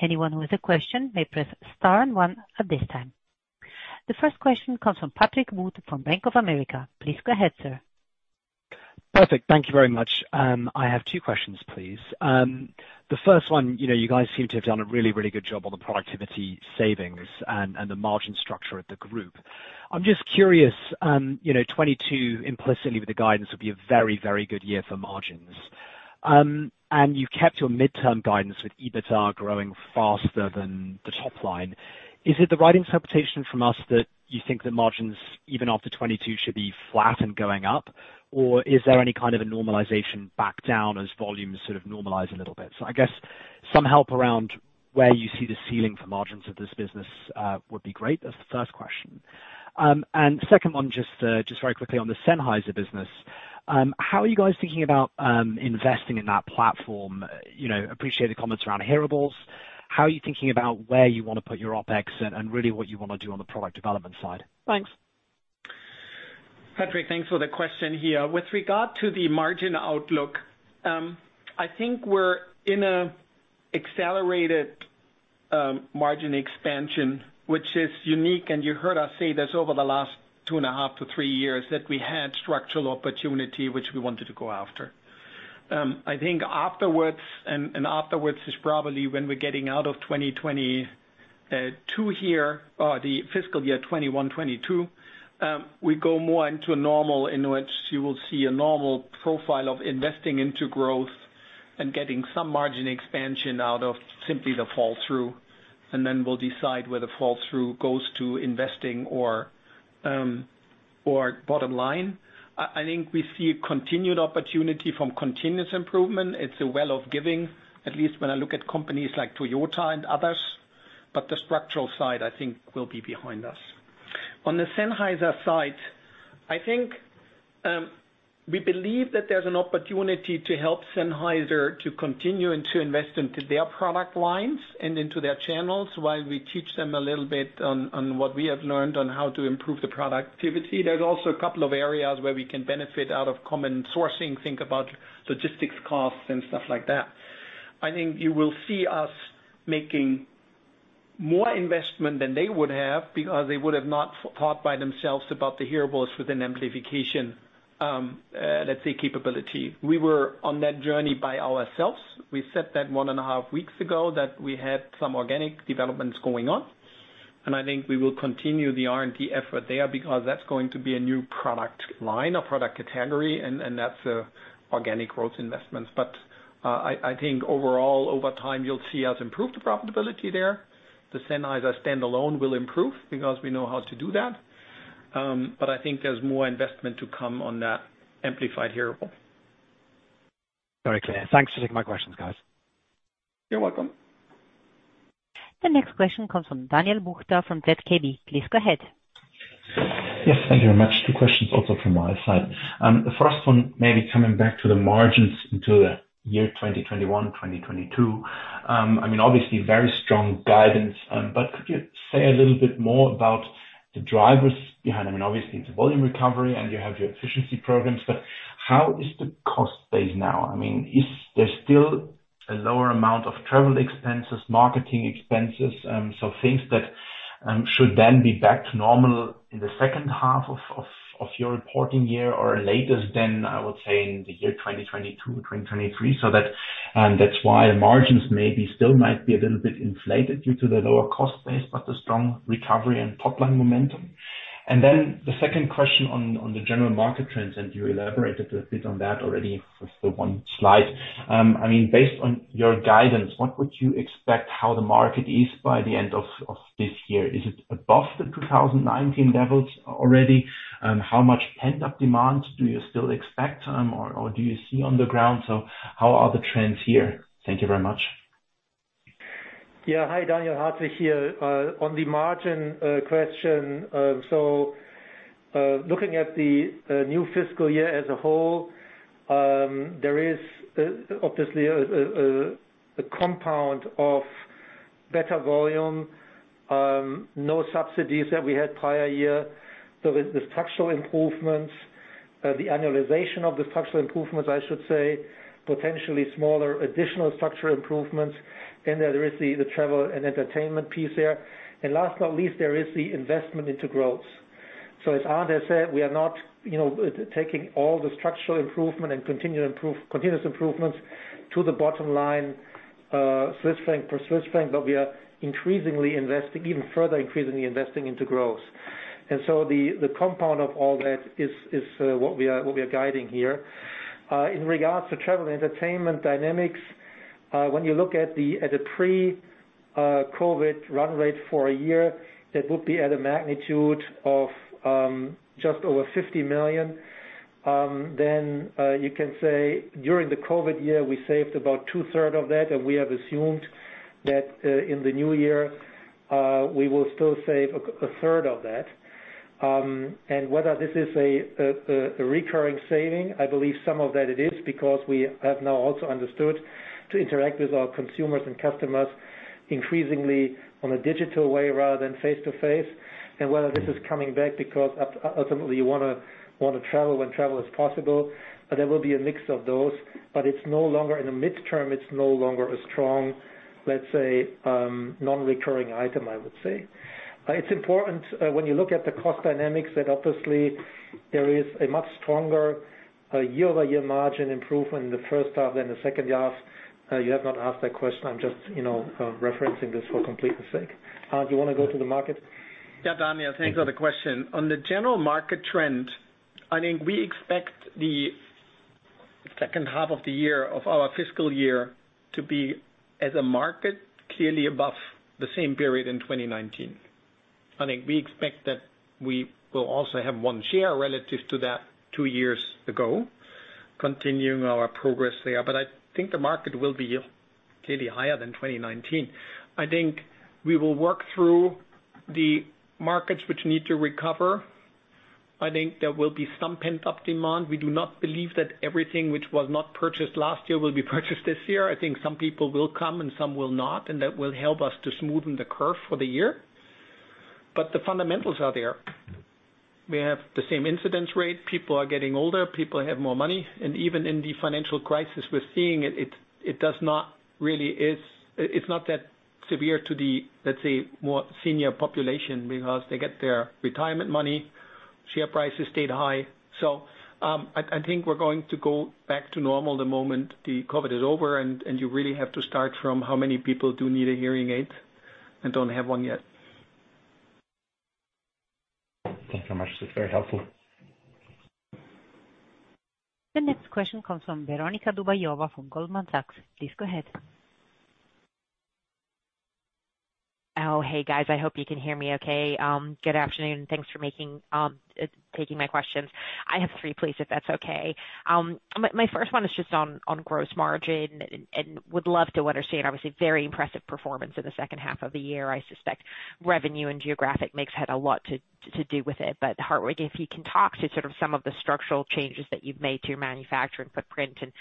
Anyone with a question may press star and one at this time. The first question comes from Patrick Wood from Bank of America. Please go ahead, sir. Perfect. Thank you very much. I have two questions, please. The first one, you guys seem to have done a really good job on the productivity savings and the margin structure of the group. I'm just curious, 2022 implicitly, the guidance will be a very good year for margins. You've kept your midterm guidance with EBITDA growing faster than the top line. Is it the right interpretation from us that you think the margins, even after 2022, should be flat and going up? Is there any kind of a normalization back down as volumes sort of normalize a little bit? I guess some help around where you see the ceiling for margins of this business would be great. That's the first question. Second one, just very quickly on the Sennheiser business, how are you guys thinking about investing in that platform? Appreciated comments around hearables. How are you thinking about where you want to put your OpEx and really what you want to do on the product development side? Thanks. Patrick, thanks for the question here. With regard to the margin outlook, I think we're in an accelerated margin expansion, which is unique, and you heard us say this over the last two and a half to three years, that we had structural opportunity, which we wanted to go after. I think afterwards is probably when we're getting out of 2022 here, the fiscal year 2021, 2022, we go more into a normal in which you will see a normal profile of investing into growth and getting some margin expansion out of simply the fall through, then we'll decide where the fall through goes to investing or bottom line. I think we see a continued opportunity from continuous improvement. It's a well of giving, at least when I look at companies like Toyota and others. The structural side, I think, will be behind us. On the Sennheiser side, I think we believe that there's an opportunity to help Sennheiser to continue and to invest into their product lines and into their channels while we teach them a little bit on what we have learned on how to improve the productivity. There's also a couple of areas where we can benefit out of common sourcing, think about logistics costs and stuff like that. I think you will see us making more investment than they would have because they would have not thought by themselves about the hearables with an amplification, let's say, capability. We were on that journey by ourselves. We said that one and a half weeks ago that we had some organic developments going on, and I think we will continue the R&D effort there because that's going to be a new product line or product category, and that's organic growth investments. I think overall, over time, you'll see us improve the profitability there. The Sennheiser standalone will improve because we know how to do that. I think there's more investment to come on that amplified hearable. Very clear. Thanks for taking my questions, guys. You're welcome. The next question comes from Daniel Buchta from ZKB. Please go ahead. Yes, thank you very much. Two questions also from my side. The first one, maybe coming back to the margins into the year 2021, 2022. Obviously very strong guidance, but could you say a little bit more about the drivers behind? Obviously, it's volume recovery, and you have your efficiency programs, but how is the cost base now? Is there still a lower amount of travel expenses, marketing expenses? Things that should then be back to normal in the second half of your reporting year or later than, I would say, in the year 2022 or 2023. That's why margins maybe still might be a little bit inflated due to the lower cost base, but the strong recovery and top-line momentum. The second question on the general market trends, and you elaborated a bit on that already with the one slide. Based on your guidance, what would you expect how the market is by the end of this year? Is it above the 2019 levels already? How much pent-up demand do you still expect or do you see on the ground? How are the trends here? Thank you very much. Yeah. Hi, Daniel. Hartwig Grevener here. On the margin question, looking at the new fiscal year as a whole, there is obviously a compound of better volume, no subsidies that we had prior year. The structural improvements, the annualization of the structural improvements, I should say, potentially smaller additional structural improvements. There is the travel and entertainment piece there. Last but not least, there is the investment into growth. As Arnd Kaldowski said, we are not taking all the structural improvement and continuous improvements to the bottom line Swiss franc for Swiss franc, but we are increasingly investing, even further increasingly investing into growth. The compound of all that is what we are guiding here. In regards to travel, entertainment dynamics, when you look at the pre-COVID run rate for a year, it would be at a magnitude of just over 50 million. You can say during the COVID year, we saved about two-thirds of that, and we have assumed that in the new year, we will still save a third of that. Whether this is a recurring saving, I believe some of that it is because we have now also understood to interact with our consumers and customers increasingly on a digital way rather than face-to-face. Whether this is coming back, because ultimately you want to travel when travel is possible, but there will be a mix of those, but in the midterm, it's no longer a strong, let's say, non-recurring item, I would say. It's important when you look at the cost dynamics that obviously there is a much stronger year-over-year margin improvement in the first half than the second half. You have not asked that question, I'm just referencing this for completeness sake. Arnd Kaldowski, do you want to go to the market? Daniel. Thanks for the question. On the general market trend, we expect the second half of the year of our fiscal year to be at a market clearly above the same period in 2019. We expect that we will also have one share relative to that two years ago, continuing our progress there, I think the market will be clearly higher than 2019. I think we will work through the markets which need to recover. I think there will be some pent-up demand. We do not believe that everything which was not purchased last year will be purchased this year. I think some people will come and some will not, and that will help us to smoothen the curve for the year. The fundamentals are there. We have the same incidence rate. People are getting older. People have more money. Even in the financial crisis, we're seeing it's not that severe to the, let's say, more senior population because they get their retirement money, share prices stayed high. I think we're going to go back to normal the moment the COVID is over and you really have to start from how many people do need a hearing aid and don't have one yet. Thank you so much. That's very helpful. The next question comes from Veronika Dubajova from Goldman Sachs. Please go ahead. Oh, hey, guys. I hope you can hear me okay. Good afternoon. Thanks for taking my question. I have three, please, if that's okay. My first one is just on gross margin. I would love to understand, obviously, very impressive performance in the second half of the year. Hartwig, if you can talk to sort of some of the structural changes that you've made to your manufacturing footprint and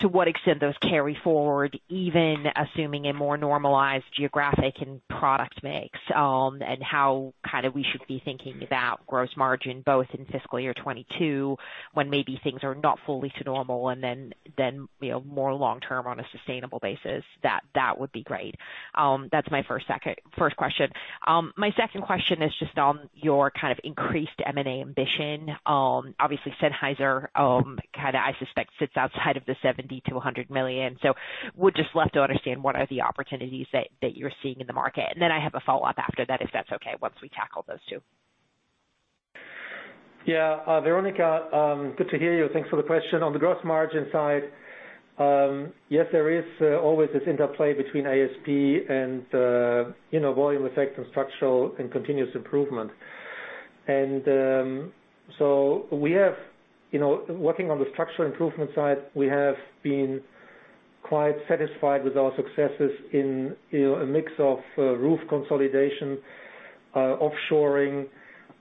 to what extent those carry forward, even assuming a more normalized geographic and product mix And how kind of we should be thinking about gross margin both in fiscal year 2022 when maybe things are not fully to normal and then more long term on a sustainable basis, that would be great. That's my first question. My second question is just on your kind of increased M&A ambition. Obviously, Sennheiser, I suspect sits outside of the 70 million-100 million. Would just love to understand what are the opportunities that you're seeing in the market. I have a follow-up after that, if that's okay, once we tackle those two. Veronika, good to hear you. Thanks for the question. On the gross margin side, yes, there is always this interplay between ASP and volume effect and structural and continuous improvement. Working on the structural improvement side, we have been quite satisfied with our successes in a mix of roof consolidation, offshoring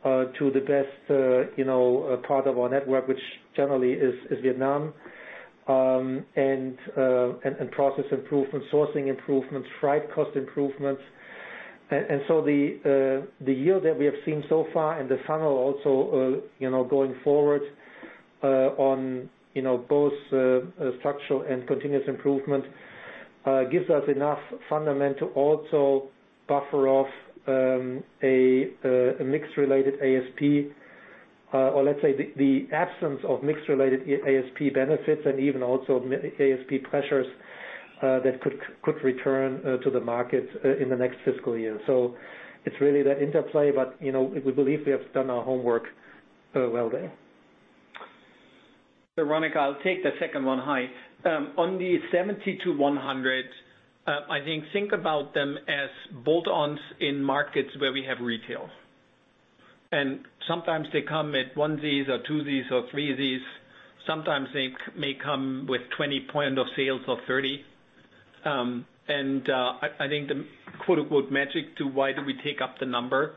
to the best part of our network, which generally is Vietnam, and process improvements, sourcing improvements, freight cost improvements. The year that we have seen so far and the funnel also going forward On both structural and continuous improvement gives us enough fundament to also buffer off a mix-related ASP, or let's say the absence of mix-related ASP benefits and even also ASP pressures that could return to the market in the next fiscal year. It is really that interplay, but we believe we have done our homework well there. Veronika, I will take the second one. Hi. On the 70 to 100, I think, about them as bolt-ons in markets where we have retail. Sometimes they come at one of these or two these or three these. Sometimes they may come with 20 point of sales or 30. I think the "magic" to why do we take up the number,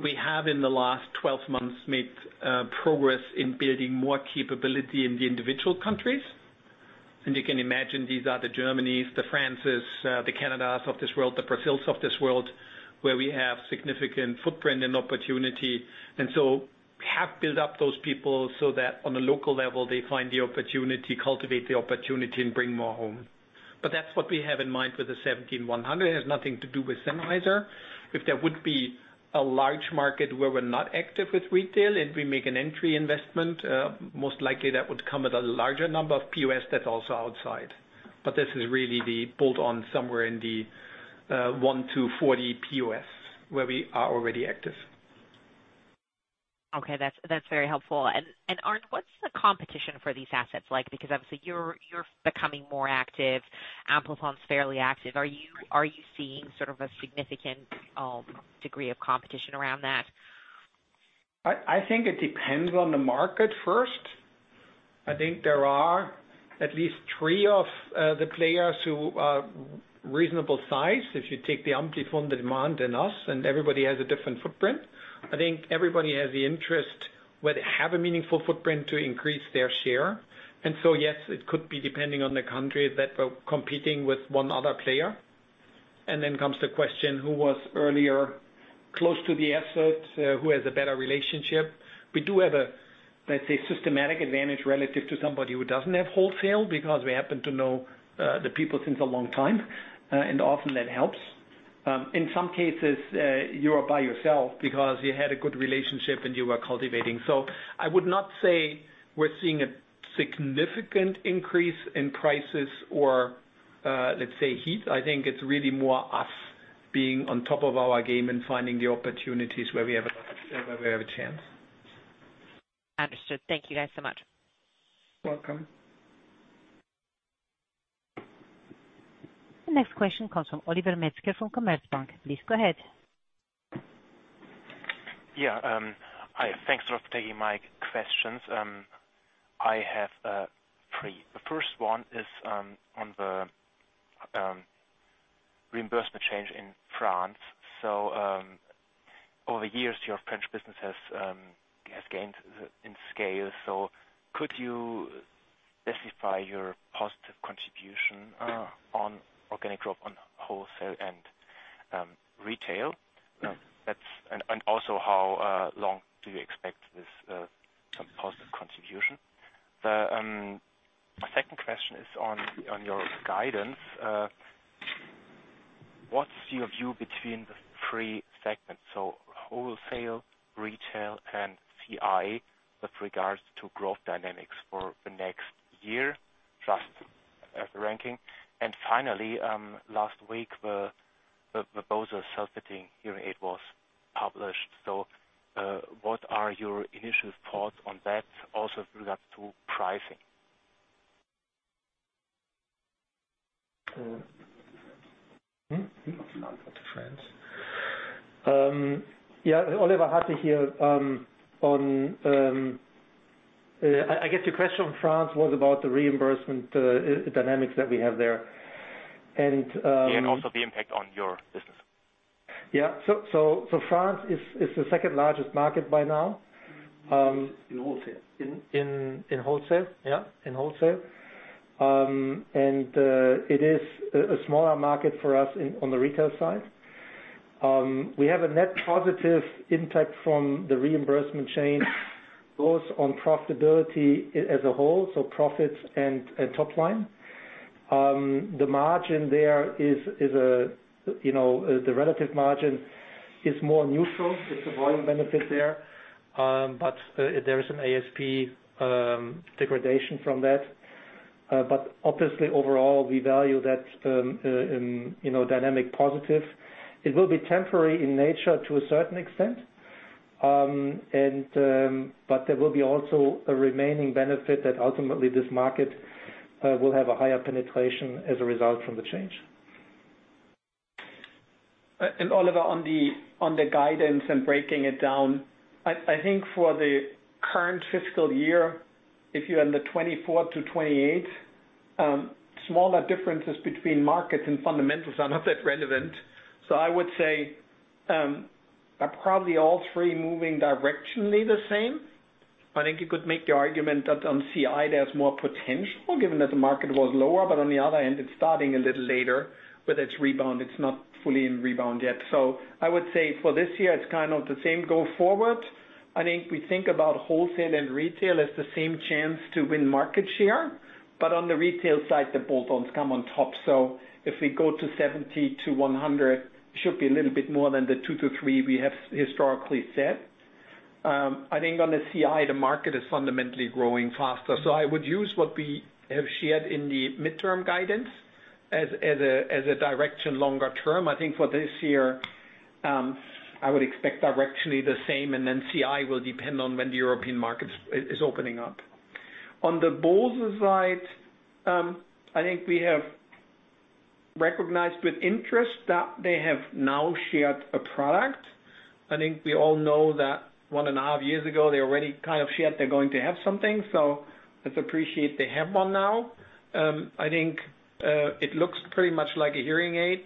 we have in the last 12 months made progress in building more capability in the individual countries. You can imagine these are the Germanys, the Frances, the Canadas of this world, the [inaudible] of this world, where we have significant footprint and opportunity. We have built up those people so that on a local level, they find the opportunity, cultivate the opportunity and bring more home. That's what we have in mind for the 70 and 100. It has nothing to do with Sennheiser. If there would be a large market where we're not active with retail, if we make an entry investment, most likely that would come at a larger number of POS that are also outside. This is really the bolt-on somewhere in the 10 to 40 POS where we are already active. Okay. That's very helpful. Arnd, what's the competition for these assets like? Because obviously you're becoming more active. Amplifon is fairly active. Are you seeing sort of a significant degree of competition around that? I think it depends on the market first. I think there are at least three of the players who are reasonable size. If you take the Amplifon, the Demant, and us. Everybody has a different footprint. I think everybody has the interest, where they have a meaningful footprint to increase their share. Yes, it could be depending on the country that we're competing with one other player. Comes the question, who was earlier close to the asset? Who has a better relationship? We do have a, let's say, systematic advantage relative to somebody who doesn't have wholesale because we happen to know the people since a long time, and often that helps. In some cases, you are by yourself because you had a good relationship and you were cultivating. I would not say we're seeing a significant increase in prices or let's say heat. I think it's really more us being on top of our game and finding the opportunities where we have a chance. Understood. Thank you guys so much. Welcome. The next question comes from Oliver Metzger from Commerzbank. Please go ahead. Thanks for taking my questions. I have three. The first one is on the reimbursement change in France. Over the years, your French business has gained in scale. Could you specify your positive contribution on organic growth on wholesale and retail? Also, how long do you expect this positive contribution? The second question is on your guidance. What's your view between the three segments, so wholesale, retail, and CI, with regards to growth dynamics for the next year, just as a ranking? Finally, last week, the proposal submitting hearing aid was published. What are your initial thoughts on that, also with regard to pricing? On France. Oliver, happy to hear on I guess the question on France was about the reimbursement dynamics that we have there. Yeah, also the impact on your business. Yeah. France is the second-largest market by now. In wholesale. In wholesale. In wholesale. It is a smaller market for us on the retail side. We have a net positive impact from the reimbursement change, both on profitability as a whole, so profits and top line. The relative margin is more neutral. It's a volume benefit there. There is an ASP degradation from that. Obviously overall, we value that in dynamic positive. It will be temporary in nature to a certain extent. There will be also a remaining benefit that ultimately this market will have a higher penetration as a result from the change. Oliver, on the guidance and breaking it down, I think for the current fiscal year, if you're in the 24%-28%, smaller differences between markets and fundamentals are not that relevant. I would say probably all three moving directionally the same. I think you could make the argument that on CI there's more potential given that the market was lower. On the other hand, it's starting a little later with its rebound. It's not fully in rebound yet. I would say for this year it's kind of the same go forward. I think we think about wholesale and retail, it's the same chance to win market share. On the retail side, the bolt-ons come on top. If we go to 70 to 100, it should be a little bit more than the two to three we have historically said. I think on the CI, the market is fundamentally growing faster. I would use what we have shared in the midterm guidance as a direction longer term. I think for this year, I would expect directionally the same and then CI will depend on when the European market is opening up. On the Bose side, I think we have recognized with interest that they have now shared a product. I think we all know that one and a half years ago, they already kind of shared they are going to have something. Let's appreciate they have one now. I think it looks pretty much like a hearing aid.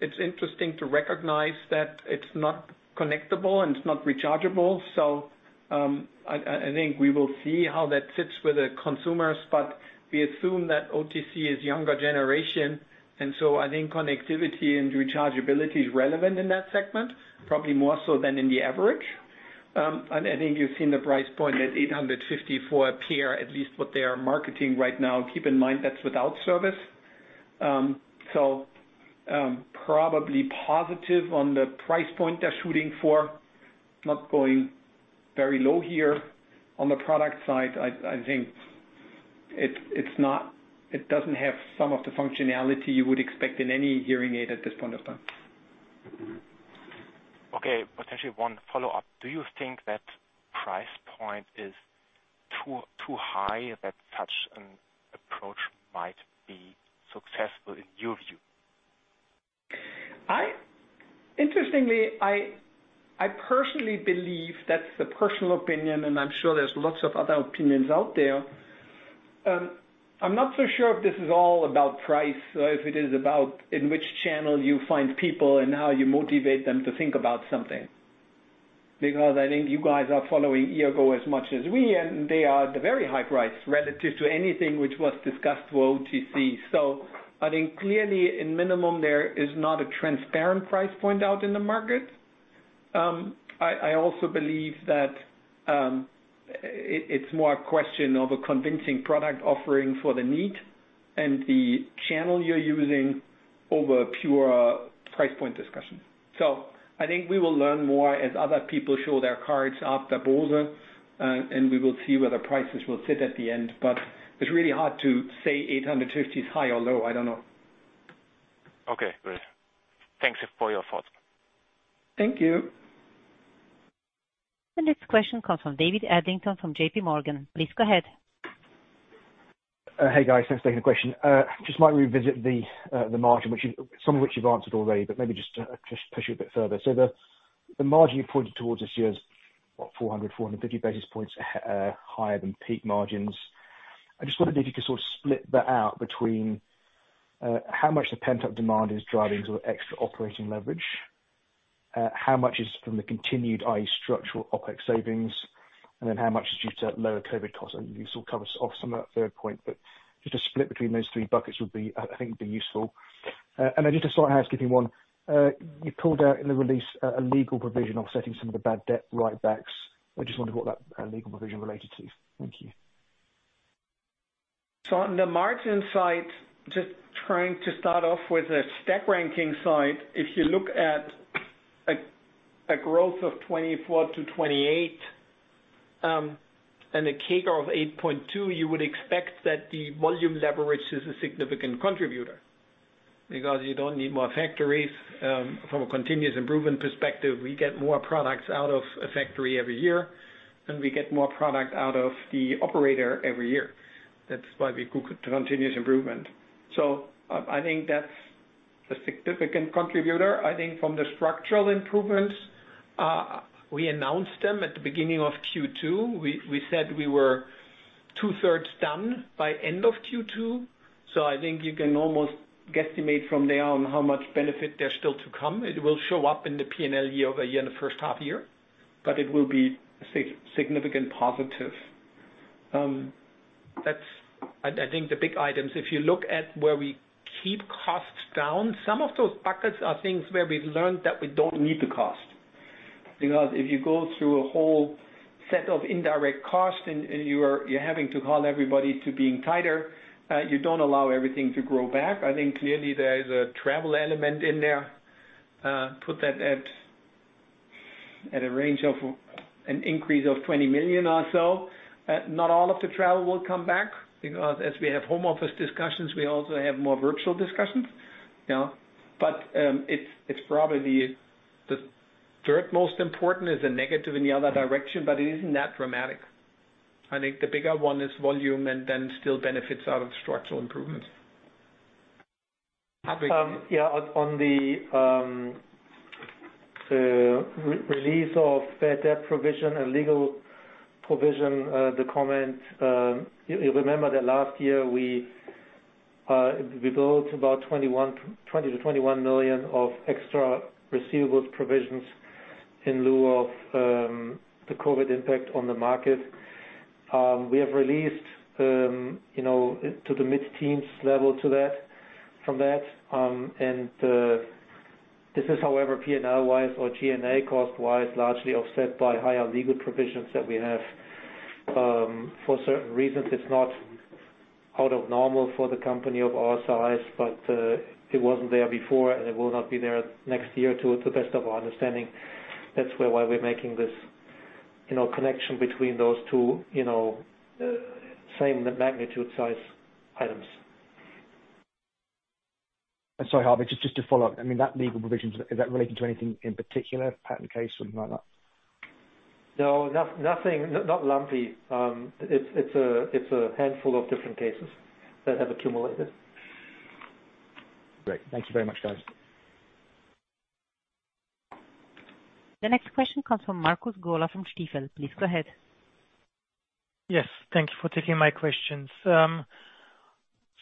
It is interesting to recognize that it is not connectable and it is not rechargeable. I think we will see how that sits with the consumers, but we assume that OTC is younger generation. I think connectivity and rechargeability is relevant in that segment, probably more so than in the average. I think you've seen the price point at 854 a pair, at least what they are marketing right now. Keep in mind, that is without service. Probably positive on the price point they are shooting for, not going very low here. On the product side, I think it does not have some of the functionality you would expect in any hearing aid at this point of time. Okay. Potentially one follow-up. Do you think that price point is too high, that such an approach might be successful in your view? Interestingly, I personally believe, that's a personal opinion, and I'm sure there's lots of other opinions out there. I'm not so sure if this is all about price or if it is about in which channel you find people and how you motivate them to think about something. I think you guys are following Eargo as much as we, and they are at the very high price relative to anything which was discussed for OTC. I think clearly in minimum there is not a transparent price point out in the market. I also believe that it's more a question of a convincing product offering for the need and the channel you're using over a pure price point discussion. I think we will learn more as other people show their cards after Bose, and we will see where the prices will sit at the end. It's really hard to say 850 is high or low. I don't know. Okay, great. Thanks for your thoughts. Thank you. The next question comes from David Adlington from JPMorgan. Please go ahead. Hey, guys. Thanks for taking the question. Just want to revisit the margin, some of which you've answered already, but maybe just to push a bit further. The margin you pointed towards this year is, what, 400, 450 basis points higher than peak margins. I just wondered if you could sort of split that out between how much the pent-up demand is driving sort of extra operating leverage, how much is from the continued, i.e., structural OpEx savings, and then how much is due to lower COVID costs? I know you sort of covered off some of that third point, but if you just split between those three buckets would, I think, be useful. I just thought I'd ask you one. You called out in the release a legal provision offsetting some of the bad debt write-backs. I just wonder what that legal provision related to. Thank you. On the margin side, just trying to start off with a stack ranking side. If you look at a growth of 24%-28%, and a CAGR of 8.2%, you would expect that the volume leverage is a significant contributor because you don't need more factories. From a continuous improvement perspective, we get more products out of a factory every year, and we get more product out of the operator every year. That's why we call it continuous improvement. I think that's a significant contributor. I think from the structural improvements, we announced them at the beginning of Q2. We said we were two-thirds done by end of Q2. I think you can almost guesstimate from there on how much benefit there's still to come. It will show up in the P&L year-over-year in the first half-year, but it will be significant positive. That's I think the big items. If you look at where we keep costs down, some of those buckets are things where we learned that we don't need the cost. If you go through a whole set of indirect costs and you're having to call everybody to being tighter, you don't allow everything to grow back. I think clearly there's a travel element in there. Put that at a range of an increase of 20 million or so. Not all of the travel will come back because as we have home office discussions, we also have more virtual discussions. It's probably the third most important is a negative in the other direction, but it isn't that dramatic. I think the bigger one is volume and then still benefits out of structural improvements. On the release of bad debt provision and legal provision, the comment, you remember that last year we. We built about 20 million-21 million of extra receivables provisions in lieu of the COVID impact on the market. We have released to the mid-teens level from that. This is however P&L wise or G&A cost wise, largely offset by higher legal provisions that we have. For certain reasons, it's not out of normal for the company of our size, but it wasn't there before, and it will not be there next year to the best of our understanding. That's why we're making this connection between those two same magnitude size items. Sorry, just to follow up. That legal provisions, is that related to anything in particular? Patent case, something like that? No, nothing. Not lumpy. It's a handful of different cases that have accumulated. Great. Thank you very much, guys. The next question comes from Markus Gola from Stifel. Please go ahead. Yes, thanks for taking my questions.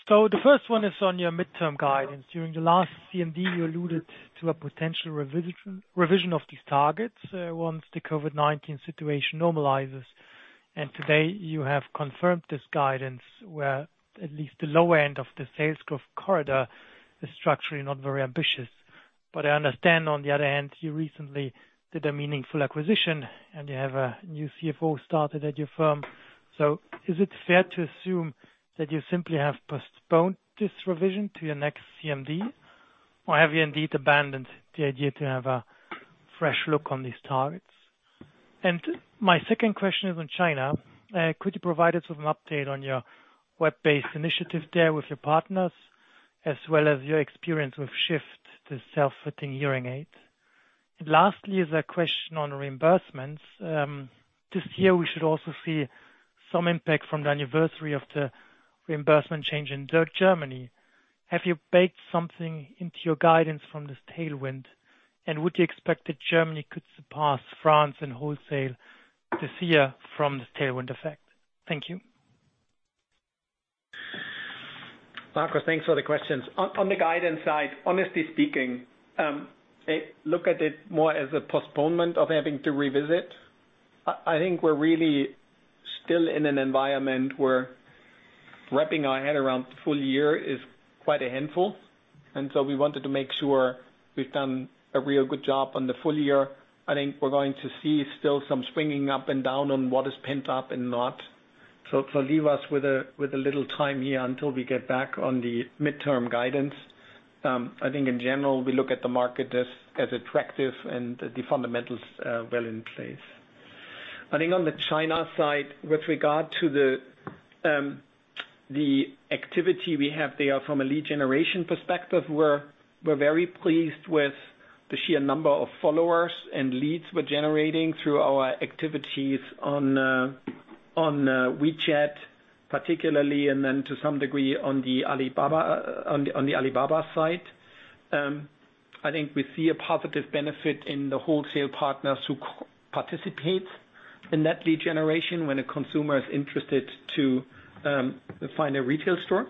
The first one is on your midterm guidance. During the last CMD, you alluded to a potential revision of these targets once the COVID-19 situation normalizes, and today you have confirmed this guidance, where at least the low end of the sales growth corridor is structurally not very ambitious. I understand on the other hand, you recently did a meaningful acquisition, and you have a new CFO started at your firm. Is it fair to assume that you simply have postponed this revision to your next CMD? Have you indeed abandoned the idea to have a fresh look on these targets? My second question is on China. Could you provide us with an update on your web-based initiative there with your partners, as well as your experience with Shift, the self-fitting hearing aid? Lastly is a question on reimbursements. This year, we should also see some impact from the anniversary of the reimbursement change in Germany. Have you baked something into your guidance from this tailwind, and would you expect that Germany could surpass France in wholesale this year from this tailwind effect? Thank you. Markus, thanks for the questions. On the guidance side, honestly speaking, look at it more as a postponement of having to revisit. I think we're really still in an environment where wrapping our head around the full-year is quite a handful, and so we wanted to make sure we've done a real good job on the full-year. I think we're going to see still some swinging up and down on what is pent up and not. It will leave us with a little time here until we get back on the midterm guidance. I think in general, we look at the market as attractive and the fundamentals well in place. I think on the China side, with regard to the activity we have there from a lead generation perspective, we are very pleased with the sheer number of followers and leads we are generating through our activities on WeChat particularly, and then to some degree on the Alibaba side. I think we see a positive benefit in the wholesale partners who participate in that lead generation when a consumer is interested to find a retail store.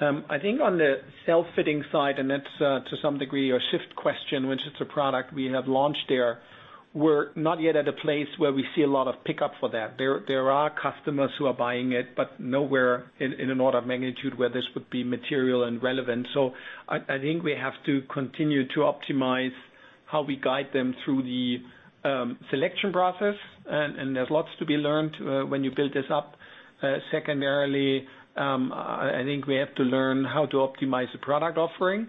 I think on the self-fitting side, and that is to some degree a Shift question, which is a product we have launched there. We are not yet at a place where we see a lot of pickup for that. There are customers who are buying it, but nowhere in an order of magnitude where this would be material and relevant. I think we have to continue to optimize how we guide them through the selection process, and there's lots to be learned when you build this up. Secondarily, I think we have to learn how to optimize the product offering,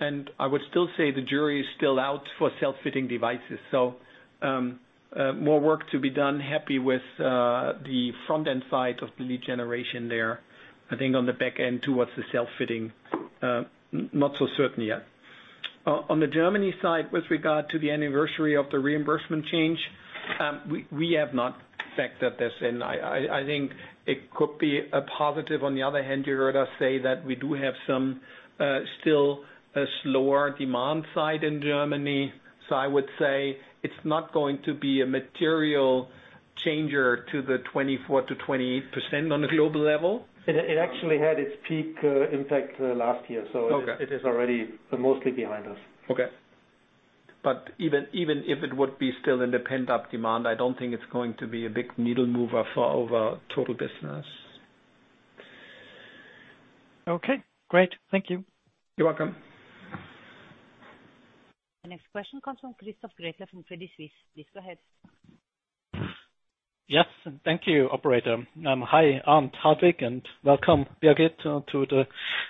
and I would still say the jury is still out for self-fitting devices. More work to be done. Happy with the front-end side of the lead generation there. I think on the back end towards the self-fitting, not so certain yet. On the Germany side, with regard to the anniversary of the reimbursement change, we have not factored this in. I think it could be a positive. On the other hand, you heard us say that we do have some still slower demand side in Germany. I would say it's not going to be a material changer to the 24%-28% on a field level. It actually had its peak impact last year, so it is already mostly behind us. Okay. Even if it would be still in the pent-up demand, I don't think it's going to be a big needle mover for our total business. Okay, great. Thank you. You're welcome. The next question comes from Christoph Gretler from Credit Suisse. Please go ahead. Yes. Thank you, operator. Hi, I'm Gretler, and welcome, Birgit, to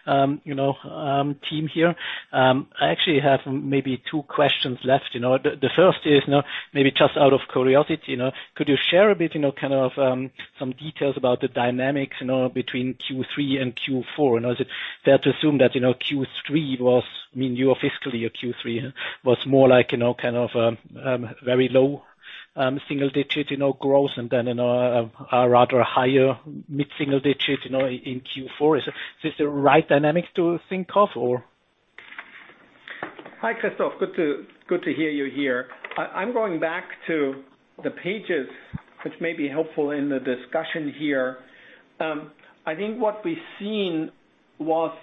the team here. I actually have maybe two questions left. The first is, maybe just out of curiosity, could you share a bit, some details about the dynamics between Q3 and Q4? I know that's assumed that Q3 was, I mean, your fiscal year Q3 was more like a very low single digit growth, and then a rather higher mid-single digit in Q4. Is this the right dynamic to think of, or? Hi, Christoph. Good to hear you here. I'm going back to the pages, which may be helpful in the discussion here. I think what we've seen was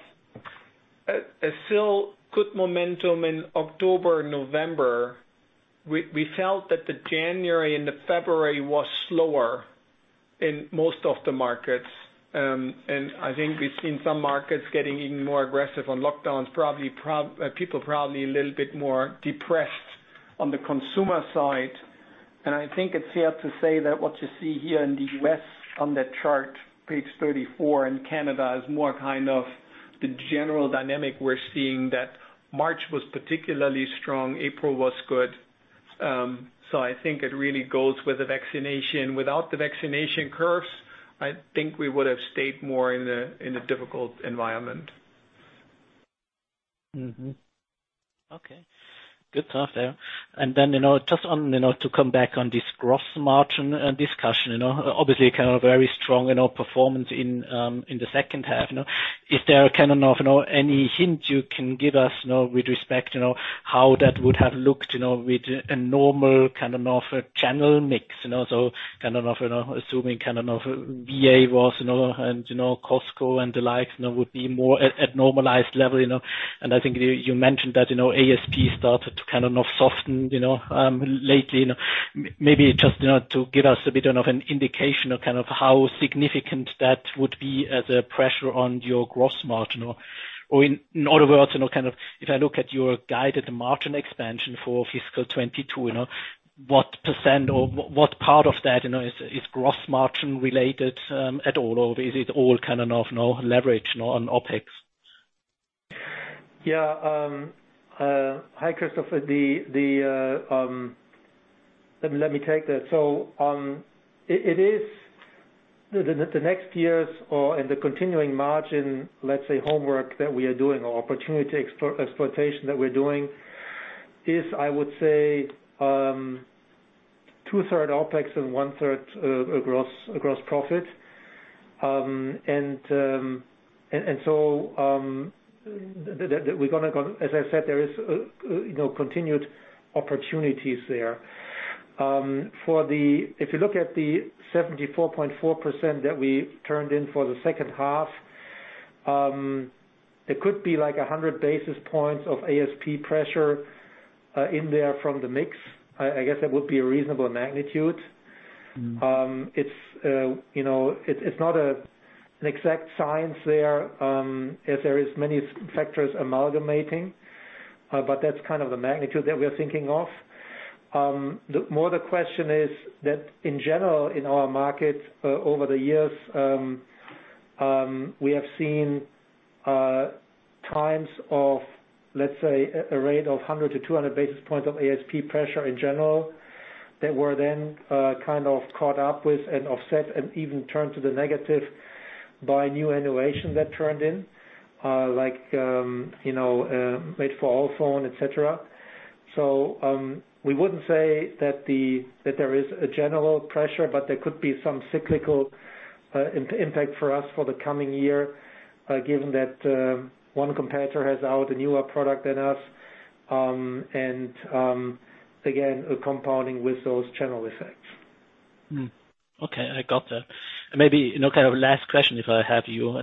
a still good momentum in October and November. We felt that the January and February was slower in most of the markets, and I think we've seen some markets getting even more aggressive on lockdowns, people probably a little bit more depressed on the consumer side. I think it's fair to say that what you see here in the U.S. from the chart, page 34, and Canada, is more kind of the general dynamic we're seeing that March was particularly strong, April was good. I think it really goes with the vaccination. Without the vaccination curves, I think we would have stayed more in a difficult environment. Okay. Good stuff there. Then, just to come back on this gross margin discussion. Obviously, a very strong performance in the second half. Is there any hint you can give us with respect to how that would have looked with a normal kind of channel mix? Assuming VA and Costco and the like would be more at normalized level. I think you mentioned that ASP started to soften lately. Maybe just to give us a bit of an indication of how significant that would be as a pressure on your gross margin. In other words, if I look at your guided margin expansion for FY 2022, what % or what part of that is gross margin related at all? Is it all leverage on OpEx? Hi, Christoph. Let me take that. The next year's or in the continuing margin, let's say, homework that we are doing or opportunity exploitation that we're doing is, I would say, two-third OpEx and one-third gross profit. As I said, there is continued opportunities there. If you look at the 74.4% that we turned in for the second half, it could be like 100 basis points of ASP pressure in there from the mix. I guess that would be a reasonable magnitude. It's not an exact science there, as there is many factors amalgamating. That's kind of the magnitude that we are thinking of. More the question is that in general in our markets over the years, we have seen times of, let's say, a rate of 100 to 200 basis points of ASP pressure in general, that were then caught up with and offset and even turned to the negative by new innovation that turned in, like Made for iPhone, et cetera. We wouldn't say that there is a general pressure, but there could be some cyclical impact for us for the coming year, given that one competitor has out a newer product than us, and again, compounding with those general effects. Okay, I got that. Maybe last question, if I have you.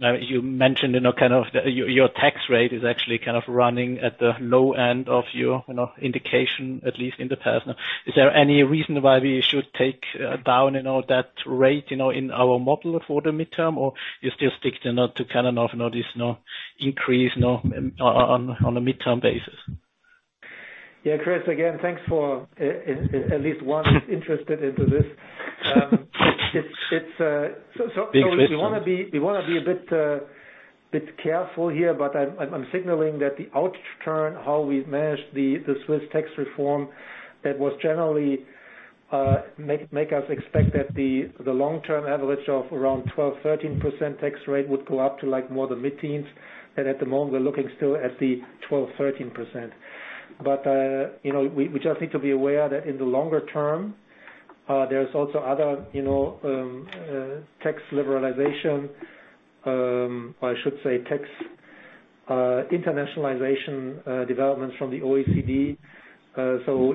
You mentioned your tax rate is actually running at the low end of your indication, at least in the past. Is there any reason why we should take down that rate in our model for the midterm, or just stick to this increase on a midterm basis? Yeah, Chris, again, thanks for at least one interested into this. Big question. We want to be a bit careful here. I'm signaling that the outturn, how we managed the Swiss tax reform that would generally make us expect that the long-term average of around 12%-13% tax rate would go up to more the mid-teens, and at the moment, we're looking still at the 12%-13%. We just need to be aware that in the longer term, there's also other tax liberalization, I should say tax internationalization developments from the OECD.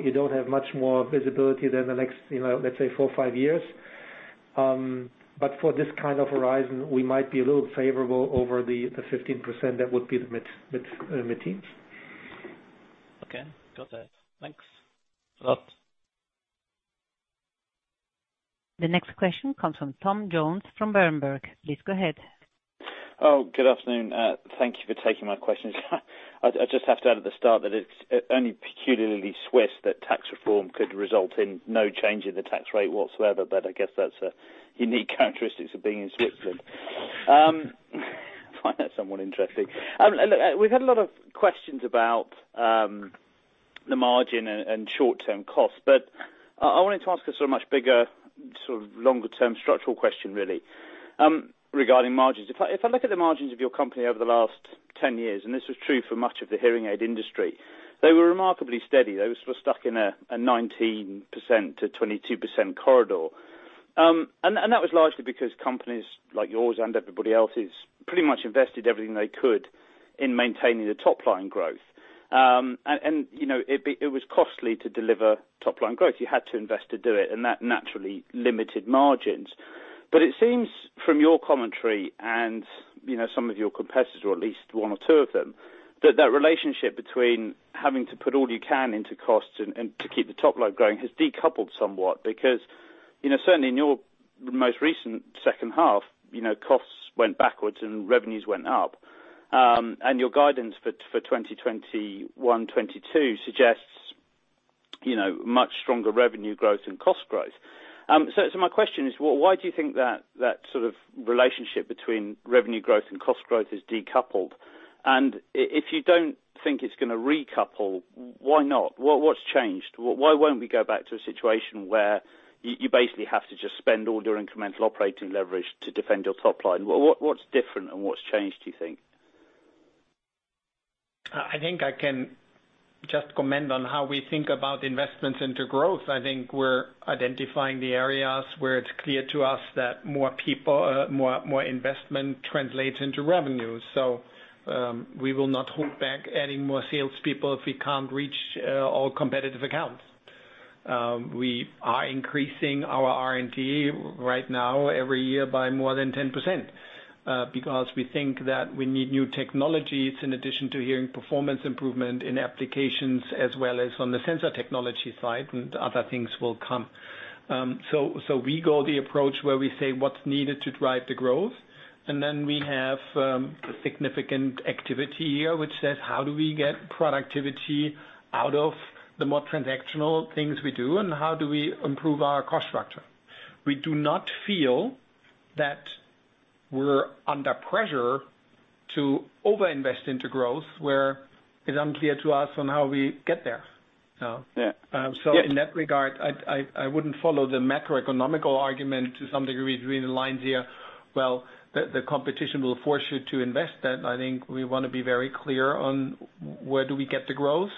You don't have much more visibility than the next, let's say, four or five years. For this kind of horizon, we might be a little favorable over the 15% that would be the mid-teens. Okay. Got that. Thanks a lot. The next question comes from Tom Jones from Berenberg. Please go ahead. Good afternoon. Thank you for taking my questions. I just have to add at the start that it's only peculiarly Swiss that tax reform could result in no change in the tax rate whatsoever, but I guess that's a unique characteristic of being in Switzerland. I find that somewhat interesting. We've had a lot of questions about the margin and short-term costs, but I wanted to ask a much bigger, sort of longer-term structural question really regarding margins. If I look at the margins of your company over the last 10 years, and this is true for much of the hearing aid industry, they were remarkably steady. They were sort of stuck in a 19%-22% corridor. That was largely because companies like yours and everybody else's pretty much invested everything they could in maintaining the top-line growth. It was costly to deliver top-line growth. You had to invest to do it, and that naturally limited margins. It seems from your commentary and some of your competitors, or at least one or two of them, that that relationship between having to put all you can into costs and to keep the top line growing has decoupled somewhat because certainly in your most recent second half, costs went backwards and revenues went up. Your guidance for 2021, 2022 suggests much stronger revenue growth than cost growth. My question is, why do you think that sort of relationship between revenue growth and cost growth has decoupled? If you don't think it's going to recouple, why not? What's changed? Why won't we go back to a situation where you basically have to just spend all your incremental operating leverage to defend your top line? What's different and what's changed, do you think? I think I can just comment on how we think about investments into growth. We're identifying the areas where it's clear to us that more investment translates into revenue. We will not hold back any more salespeople if we can't reach all competitive accounts. We are increasing our R&D right now every year by more than 10%, because we think that we need new technologies in addition to hearing performance improvement in applications as well as on the sensor technology side, and other things will come. We go the approach where we say what's needed to drive the growth, and then we have significant activity here which says how do we get productivity out of the more transactional things we do and how do we improve our cost structure? We do not feel that we're under pressure to over-invest into growth where it's unclear to us on how we get there. Yeah. In that regard, I wouldn't follow the macroeconomic argument to some degree between the lines here. The competition will force you to invest then. I think we want to be very clear on where do we get the growth,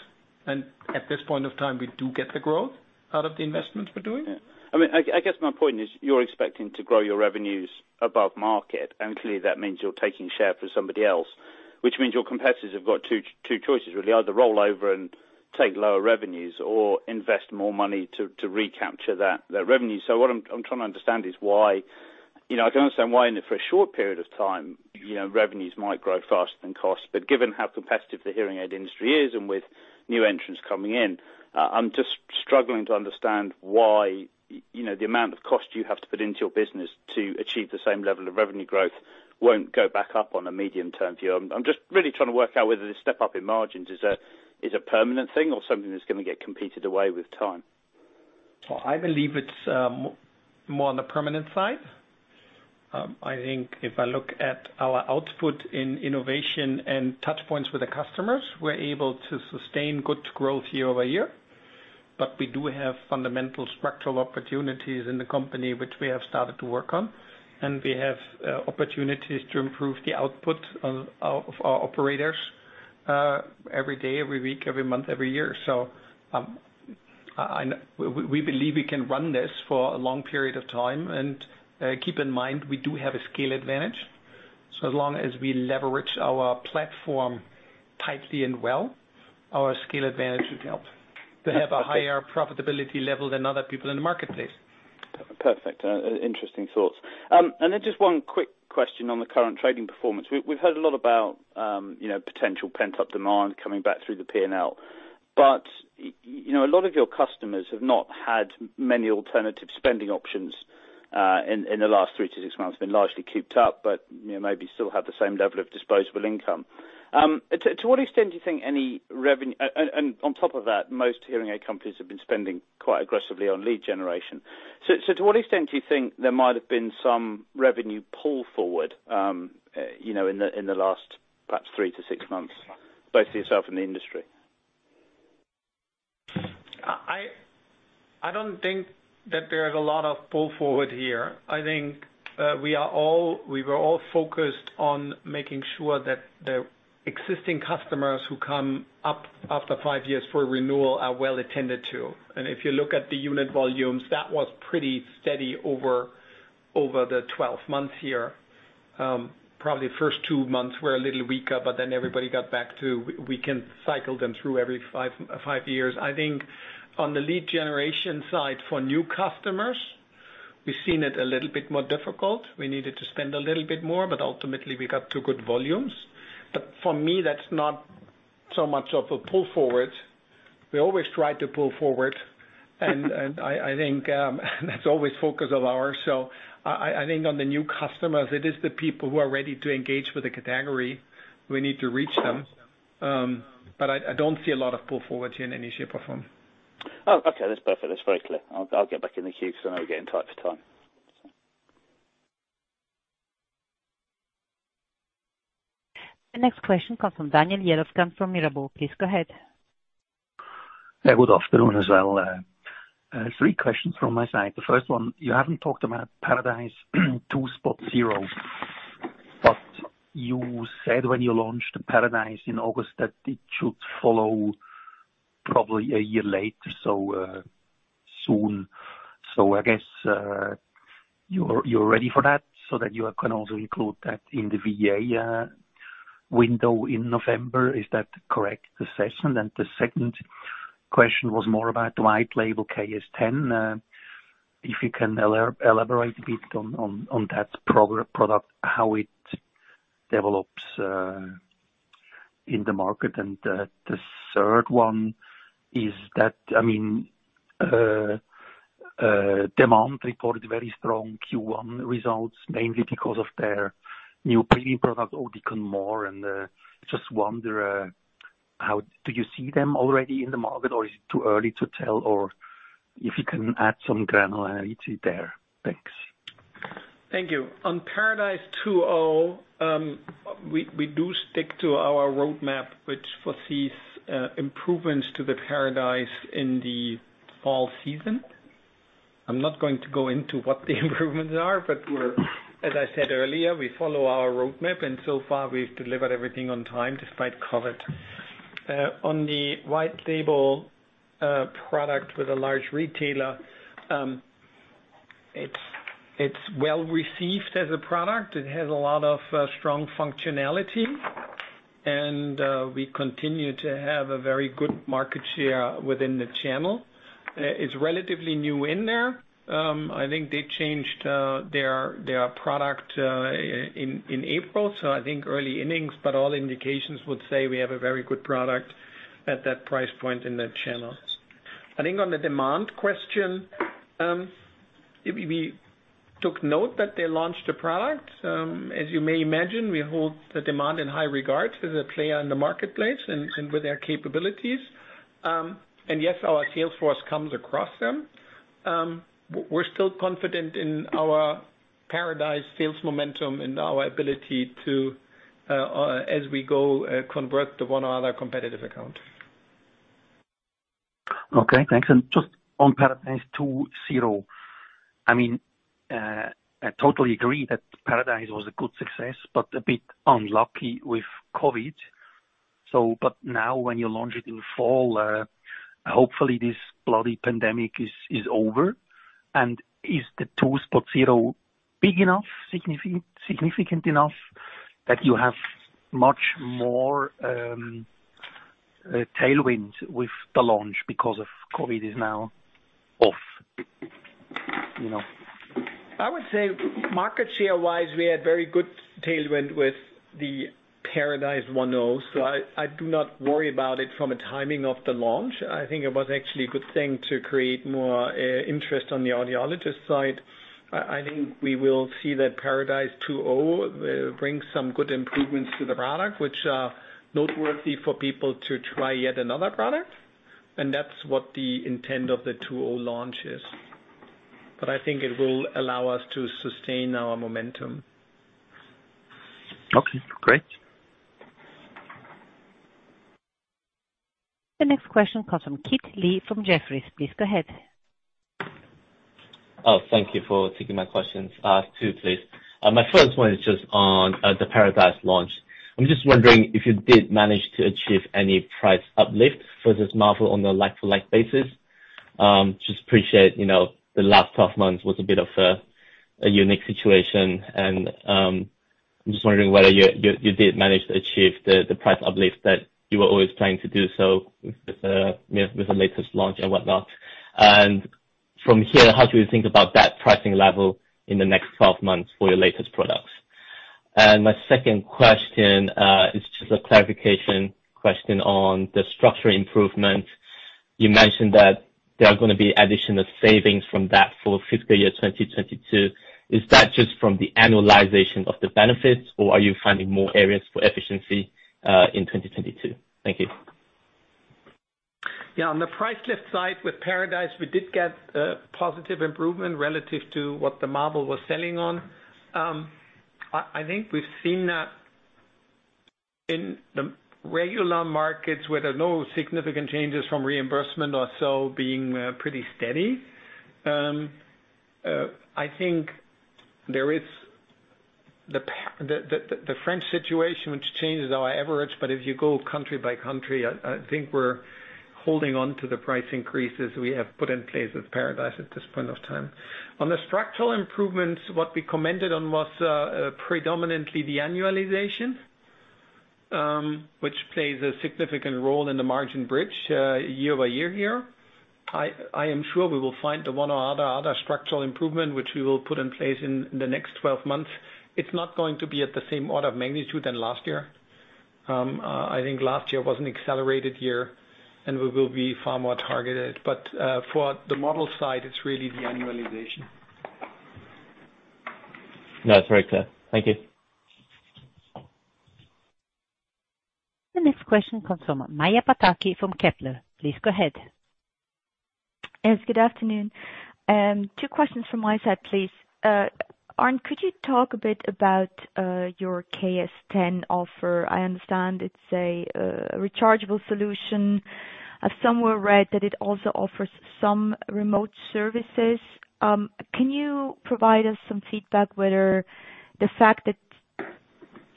and at this point in time, we do get the growth out of the investments we're doing. I guess my point is you're expecting to grow your revenues above market. Clearly, that means you're taking share from somebody else, which means your competitors have got two choices, really. Either roll over and take lower revenues or invest more money to recapture their revenue. What I'm trying to understand is why. I can understand why for a short period of time, revenues might grow faster than costs. Given how competitive the hearing aid industry is and with new entrants coming in, I'm just struggling to understand why the amount of cost you have to put into your business to achieve the same level of revenue growth won't go back up on a medium-term view. I'm just really trying to work out whether this step up in margins is a permanent thing or something that's going to get competed away with time. I believe it's more on the permanent side. I think if I look at our output in innovation and touchpoints with the customers, we're able to sustain good growth year-over-year. We do have fundamental structural opportunities in the company which we have started to work on, and we have opportunities to improve the output of our operators every day, every week, every month, every year. We believe we can run this for a long period of time. Keep in mind, we do have a scale advantage. As long as we leverage our platform tightly and well, our scale advantage will help to have higher profitability level than other people in the marketplace. Perfect. Interesting thoughts. Just one quick question on the current trading performance. We've heard a lot about potential pent-up demand coming back through the P&L. A lot of your customers have not had many alternative spending options in the last three to six months. They're largely cooped up, but maybe still have the same level of disposable income. On top of that, most hearing aid companies have been spending quite aggressively on lead generation. To what extent do you think there might have been some revenue pull forward in the last perhaps three to six months, both for yourself and the industry? I don't think that there's a lot of pull forward here. I think we were all focused on making sure that the existing customers who come up after five years for renewal are well attended to. If you look at the unit volumes, that was pretty steady over the 12 months here. Probably the first two months were a little weaker, everybody got back to we can cycle them through every five years. I think on the lead generation side for new customers, we've seen it a little bit more difficult. We needed to spend a little bit more, ultimately we got to good volumes. For me, that's not so much of a pull forward. We always try to pull forward, I think that's always focus of ours. I think on the new customers, it is the people who are ready to engage with the category. We need to reach them. I don't see a lot of pull forward in any shape or form. Got you. That's very clear. I'll get back in the queue so I get in touch with someone. The next question comes from Daniel Jelovcan from Mirabaud. Please go ahead. Good afternoon as well. Three questions from my side. The first one, you haven't talked about Paradise 2.0. You said when you launched the Paradise in August that it should follow probably one year later, so soon. I guess you're ready for that, so that you can also include that in the VA window in November. Is that the correct assessment? The second question was more about white label KS10, if you can elaborate a bit on that product, how it develops in the market. The third one is that, Demant reported very strong Q1 results, mainly because of their new premium product Oticon More, and just wonder, do you see them already in the market, or is it too early to tell, or if you can add some granularity there? Thanks. Thank you. On Paradise 2.0, we do stick to our roadmap, which foresees improvements to the Paradise in the fall season. I'm not going to go into what the improvements are, but we're, as I said earlier, we follow our roadmap, and so far, we've delivered everything on time, despite COVID. On the white label product with a large retailer, it's well-received as a product. It has a lot of strong functionality, and we continue to have a very good market share within the channel. It's relatively new in there. I think they changed their product in April, so I think early innings, but all indications would say we have a very good product at that price point in that channel. I think on the Demant question, we took note that they launched a product. As you may imagine, we hold the Demant in high regard. They're the player in the marketplace and with their capabilities. Yes, our sales force comes across them. We're still confident in our Paradise sales momentum and our ability to, as we go, convert the one or other competitive account. Okay, thanks. Just on Paradise 2.0. I totally agree that Paradise was a good success, but a bit unlucky with COVID. Now when you launch it in fall, hopefully, this bloody pandemic is over. Is the 2.0 big enough, significant enough that you have much more tailwind with the launch because of COVID is now off? I would say market share-wise, we had very good tailwind with the Paradise 1.0. I do not worry about it from a timing of the launch. I think it was actually a good thing to create more interest on the audiologist side. I think we will see that Paradise 2.0 will bring some good improvements to the product, which are noteworthy for people to try yet another product, and that's what the intent of the 2.0 launch is. I think it will allow us to sustain our momentum. Okay, great. The next question comes from Kit Lee from Jefferies. Please go ahead. Thank you for taking my questions. Two, please. My first one is just on the Paradise launch. I'm just wondering if you did manage to achieve any price uplift for this model on a like-to-like basis. Just appreciate, the last 12 months was a bit of a unique situation, and I'm just wondering whether you did manage to achieve the price uplift that you were always trying to do so with the latest launch and whatnot. From here, how do we think about that pricing level in the next 12 months for your latest products? My second question is just a clarification question on the structure improvement. You mentioned that there are going to be additional savings from that for fiscal year 2022. Is that just from the annualization of the benefits, or are you finding more areas for efficiency in 2022? Thank you. Yeah, on the price lift side with Paradise, we did get a positive improvement relative to what the model was selling on. I think we've seen that in the regular markets where there are no significant changes from reimbursement also being pretty steady. I think there is the French situation, which changes our average, but if you go country by country, I think we're holding onto the price increases we have put in place with Paradise at this point of time. On the structural improvements, what we commented on was predominantly the annualization, which plays a significant role in the margin bridge year-over-year here. I am sure we will find one or other structural improvement, which we will put in place in the next 12 months. It's not going to be at the same order of magnitude than last year. I think last year was an accelerated year, and we will be far more targeted. For the model side, it's really the annualization. That's very clear. Thank you. The next question comes from Maja Pataki from Kepler Cheuvreux. Please go ahead. Yes, good afternoon. Two questions from my side, please. Arnd, could you talk a bit about your KS10 offer? I understand it's a rechargeable solution. I've somewhere read that it also offers some remote services. Can you provide us some feedback whether the fact that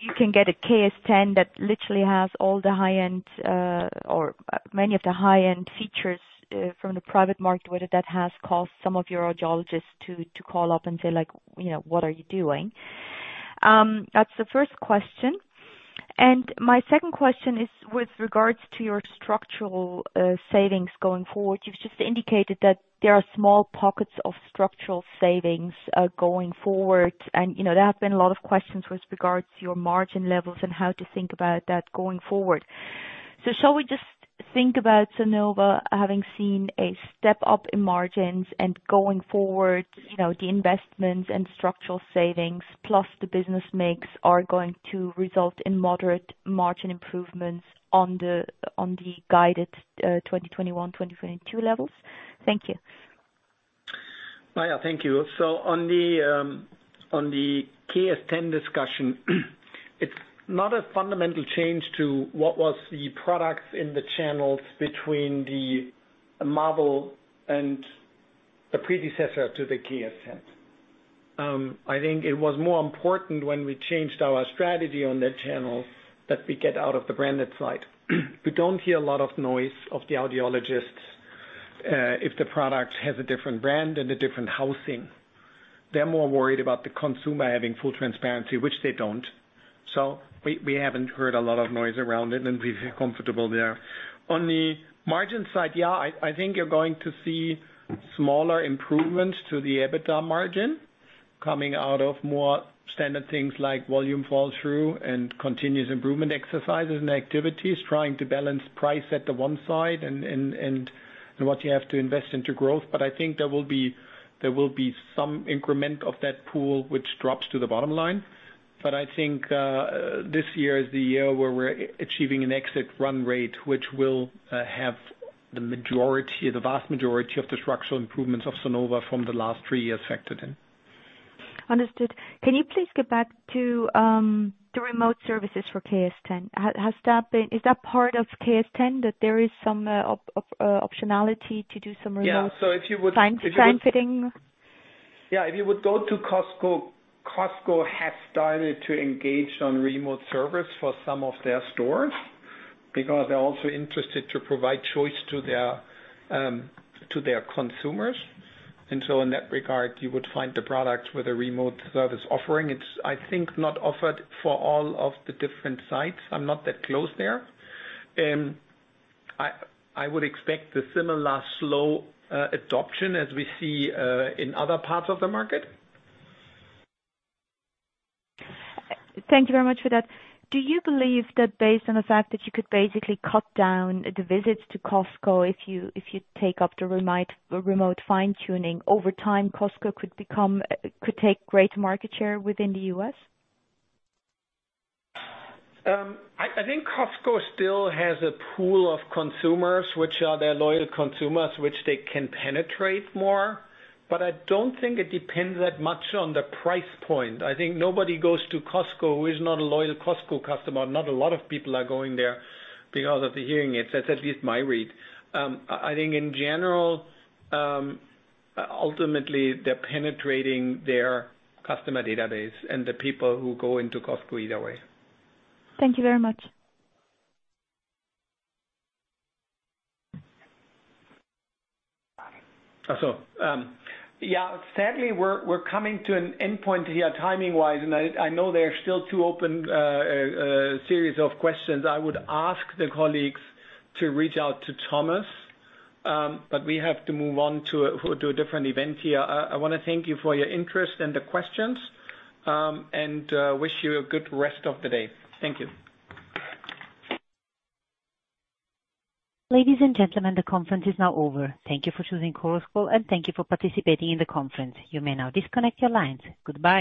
you can get a KS10 that literally has all the high-end, or many of the high-end features from the private market, whether that has caused some of your audiologists to call up and say, "What are you doing?" That's the first question. My second question is with regards to your structural savings going forward. You've just indicated that there are small pockets of structural savings going forward, and there have been a lot of questions with regards to your margin levels and how to think about that going forward. Shall we just think about Sonova having seen a step-up in margins and going forward, the investments and structural savings, plus the business mix are going to result in moderate margin improvements on the guided 2021, 2022 levels? Thank you. Maja, thank you. On the KS10 discussion, it's not a fundamental change to what was the products in the channels between the Marvel and the predecessor to the KS10. I think it was more important when we changed our strategy on the channels that we get out of the branded side. We don't hear a lot of noise of the audiologists if the product has a different brand and a different housing. They're more worried about the consumer having full transparency, which they don't. We haven't heard a lot of noise around it, and we feel comfortable there. On the margin side, yeah, I think you're going to see smaller improvements to the EBITDA margin coming out of more standard things like volume fall-through and continuous improvement exercises and activities, trying to balance price at the one side and what you have to invest into growth. I think there will be some increment of that pool which drops to the bottom line. I think this year is the year where we're achieving an exit run rate, which will have the vast majority of the structural improvements of Sonova from the last three years factored in. Understood. Can you please get back to the remote services for KS10? Is that part of KS10, that there is some optionality to do some remote Yeah. Fine-tuning? Yeah. If you would go to Costco has started to engage on remote service for some of their stores because they're also interested to provide choice to their consumers. In that regard, you would find the product with a remote service offering. It's, I think, not offered for all of the different sites. I'm not that close there. I would expect a similar slow adoption as we see in other parts of the market. Thank you very much for that. Do you believe that based on the fact that you could basically cut down the visits to Costco, if you take up the remote fine-tuning, over time, Costco could take greater market share within the U.S.? I think Costco still has a pool of consumers, which are their loyal consumers, which they can penetrate more. I don't think it depends that much on the price point. I think nobody goes to Costco who is not a loyal Costco customer. Not a lot of people are going there because of the hearing aids. That's at least my read. I think in general, ultimately, they're penetrating their customer database and the people who go into Costco either way. Thank you very much. Sadly, we're coming to an endpoint here, timing-wise, and I know there are still two open series of questions. I would ask the colleagues to reach out to Thomas, but we have to move on to a different event here. I want to thank you for your interest and the questions, and wish you a good rest of the day. Thank you. Ladies and gentlemen, the conference is now over. Thank you for choosing Chorus Call, and thank you for participating in the conference. You may now disconnect your lines. Goodbye.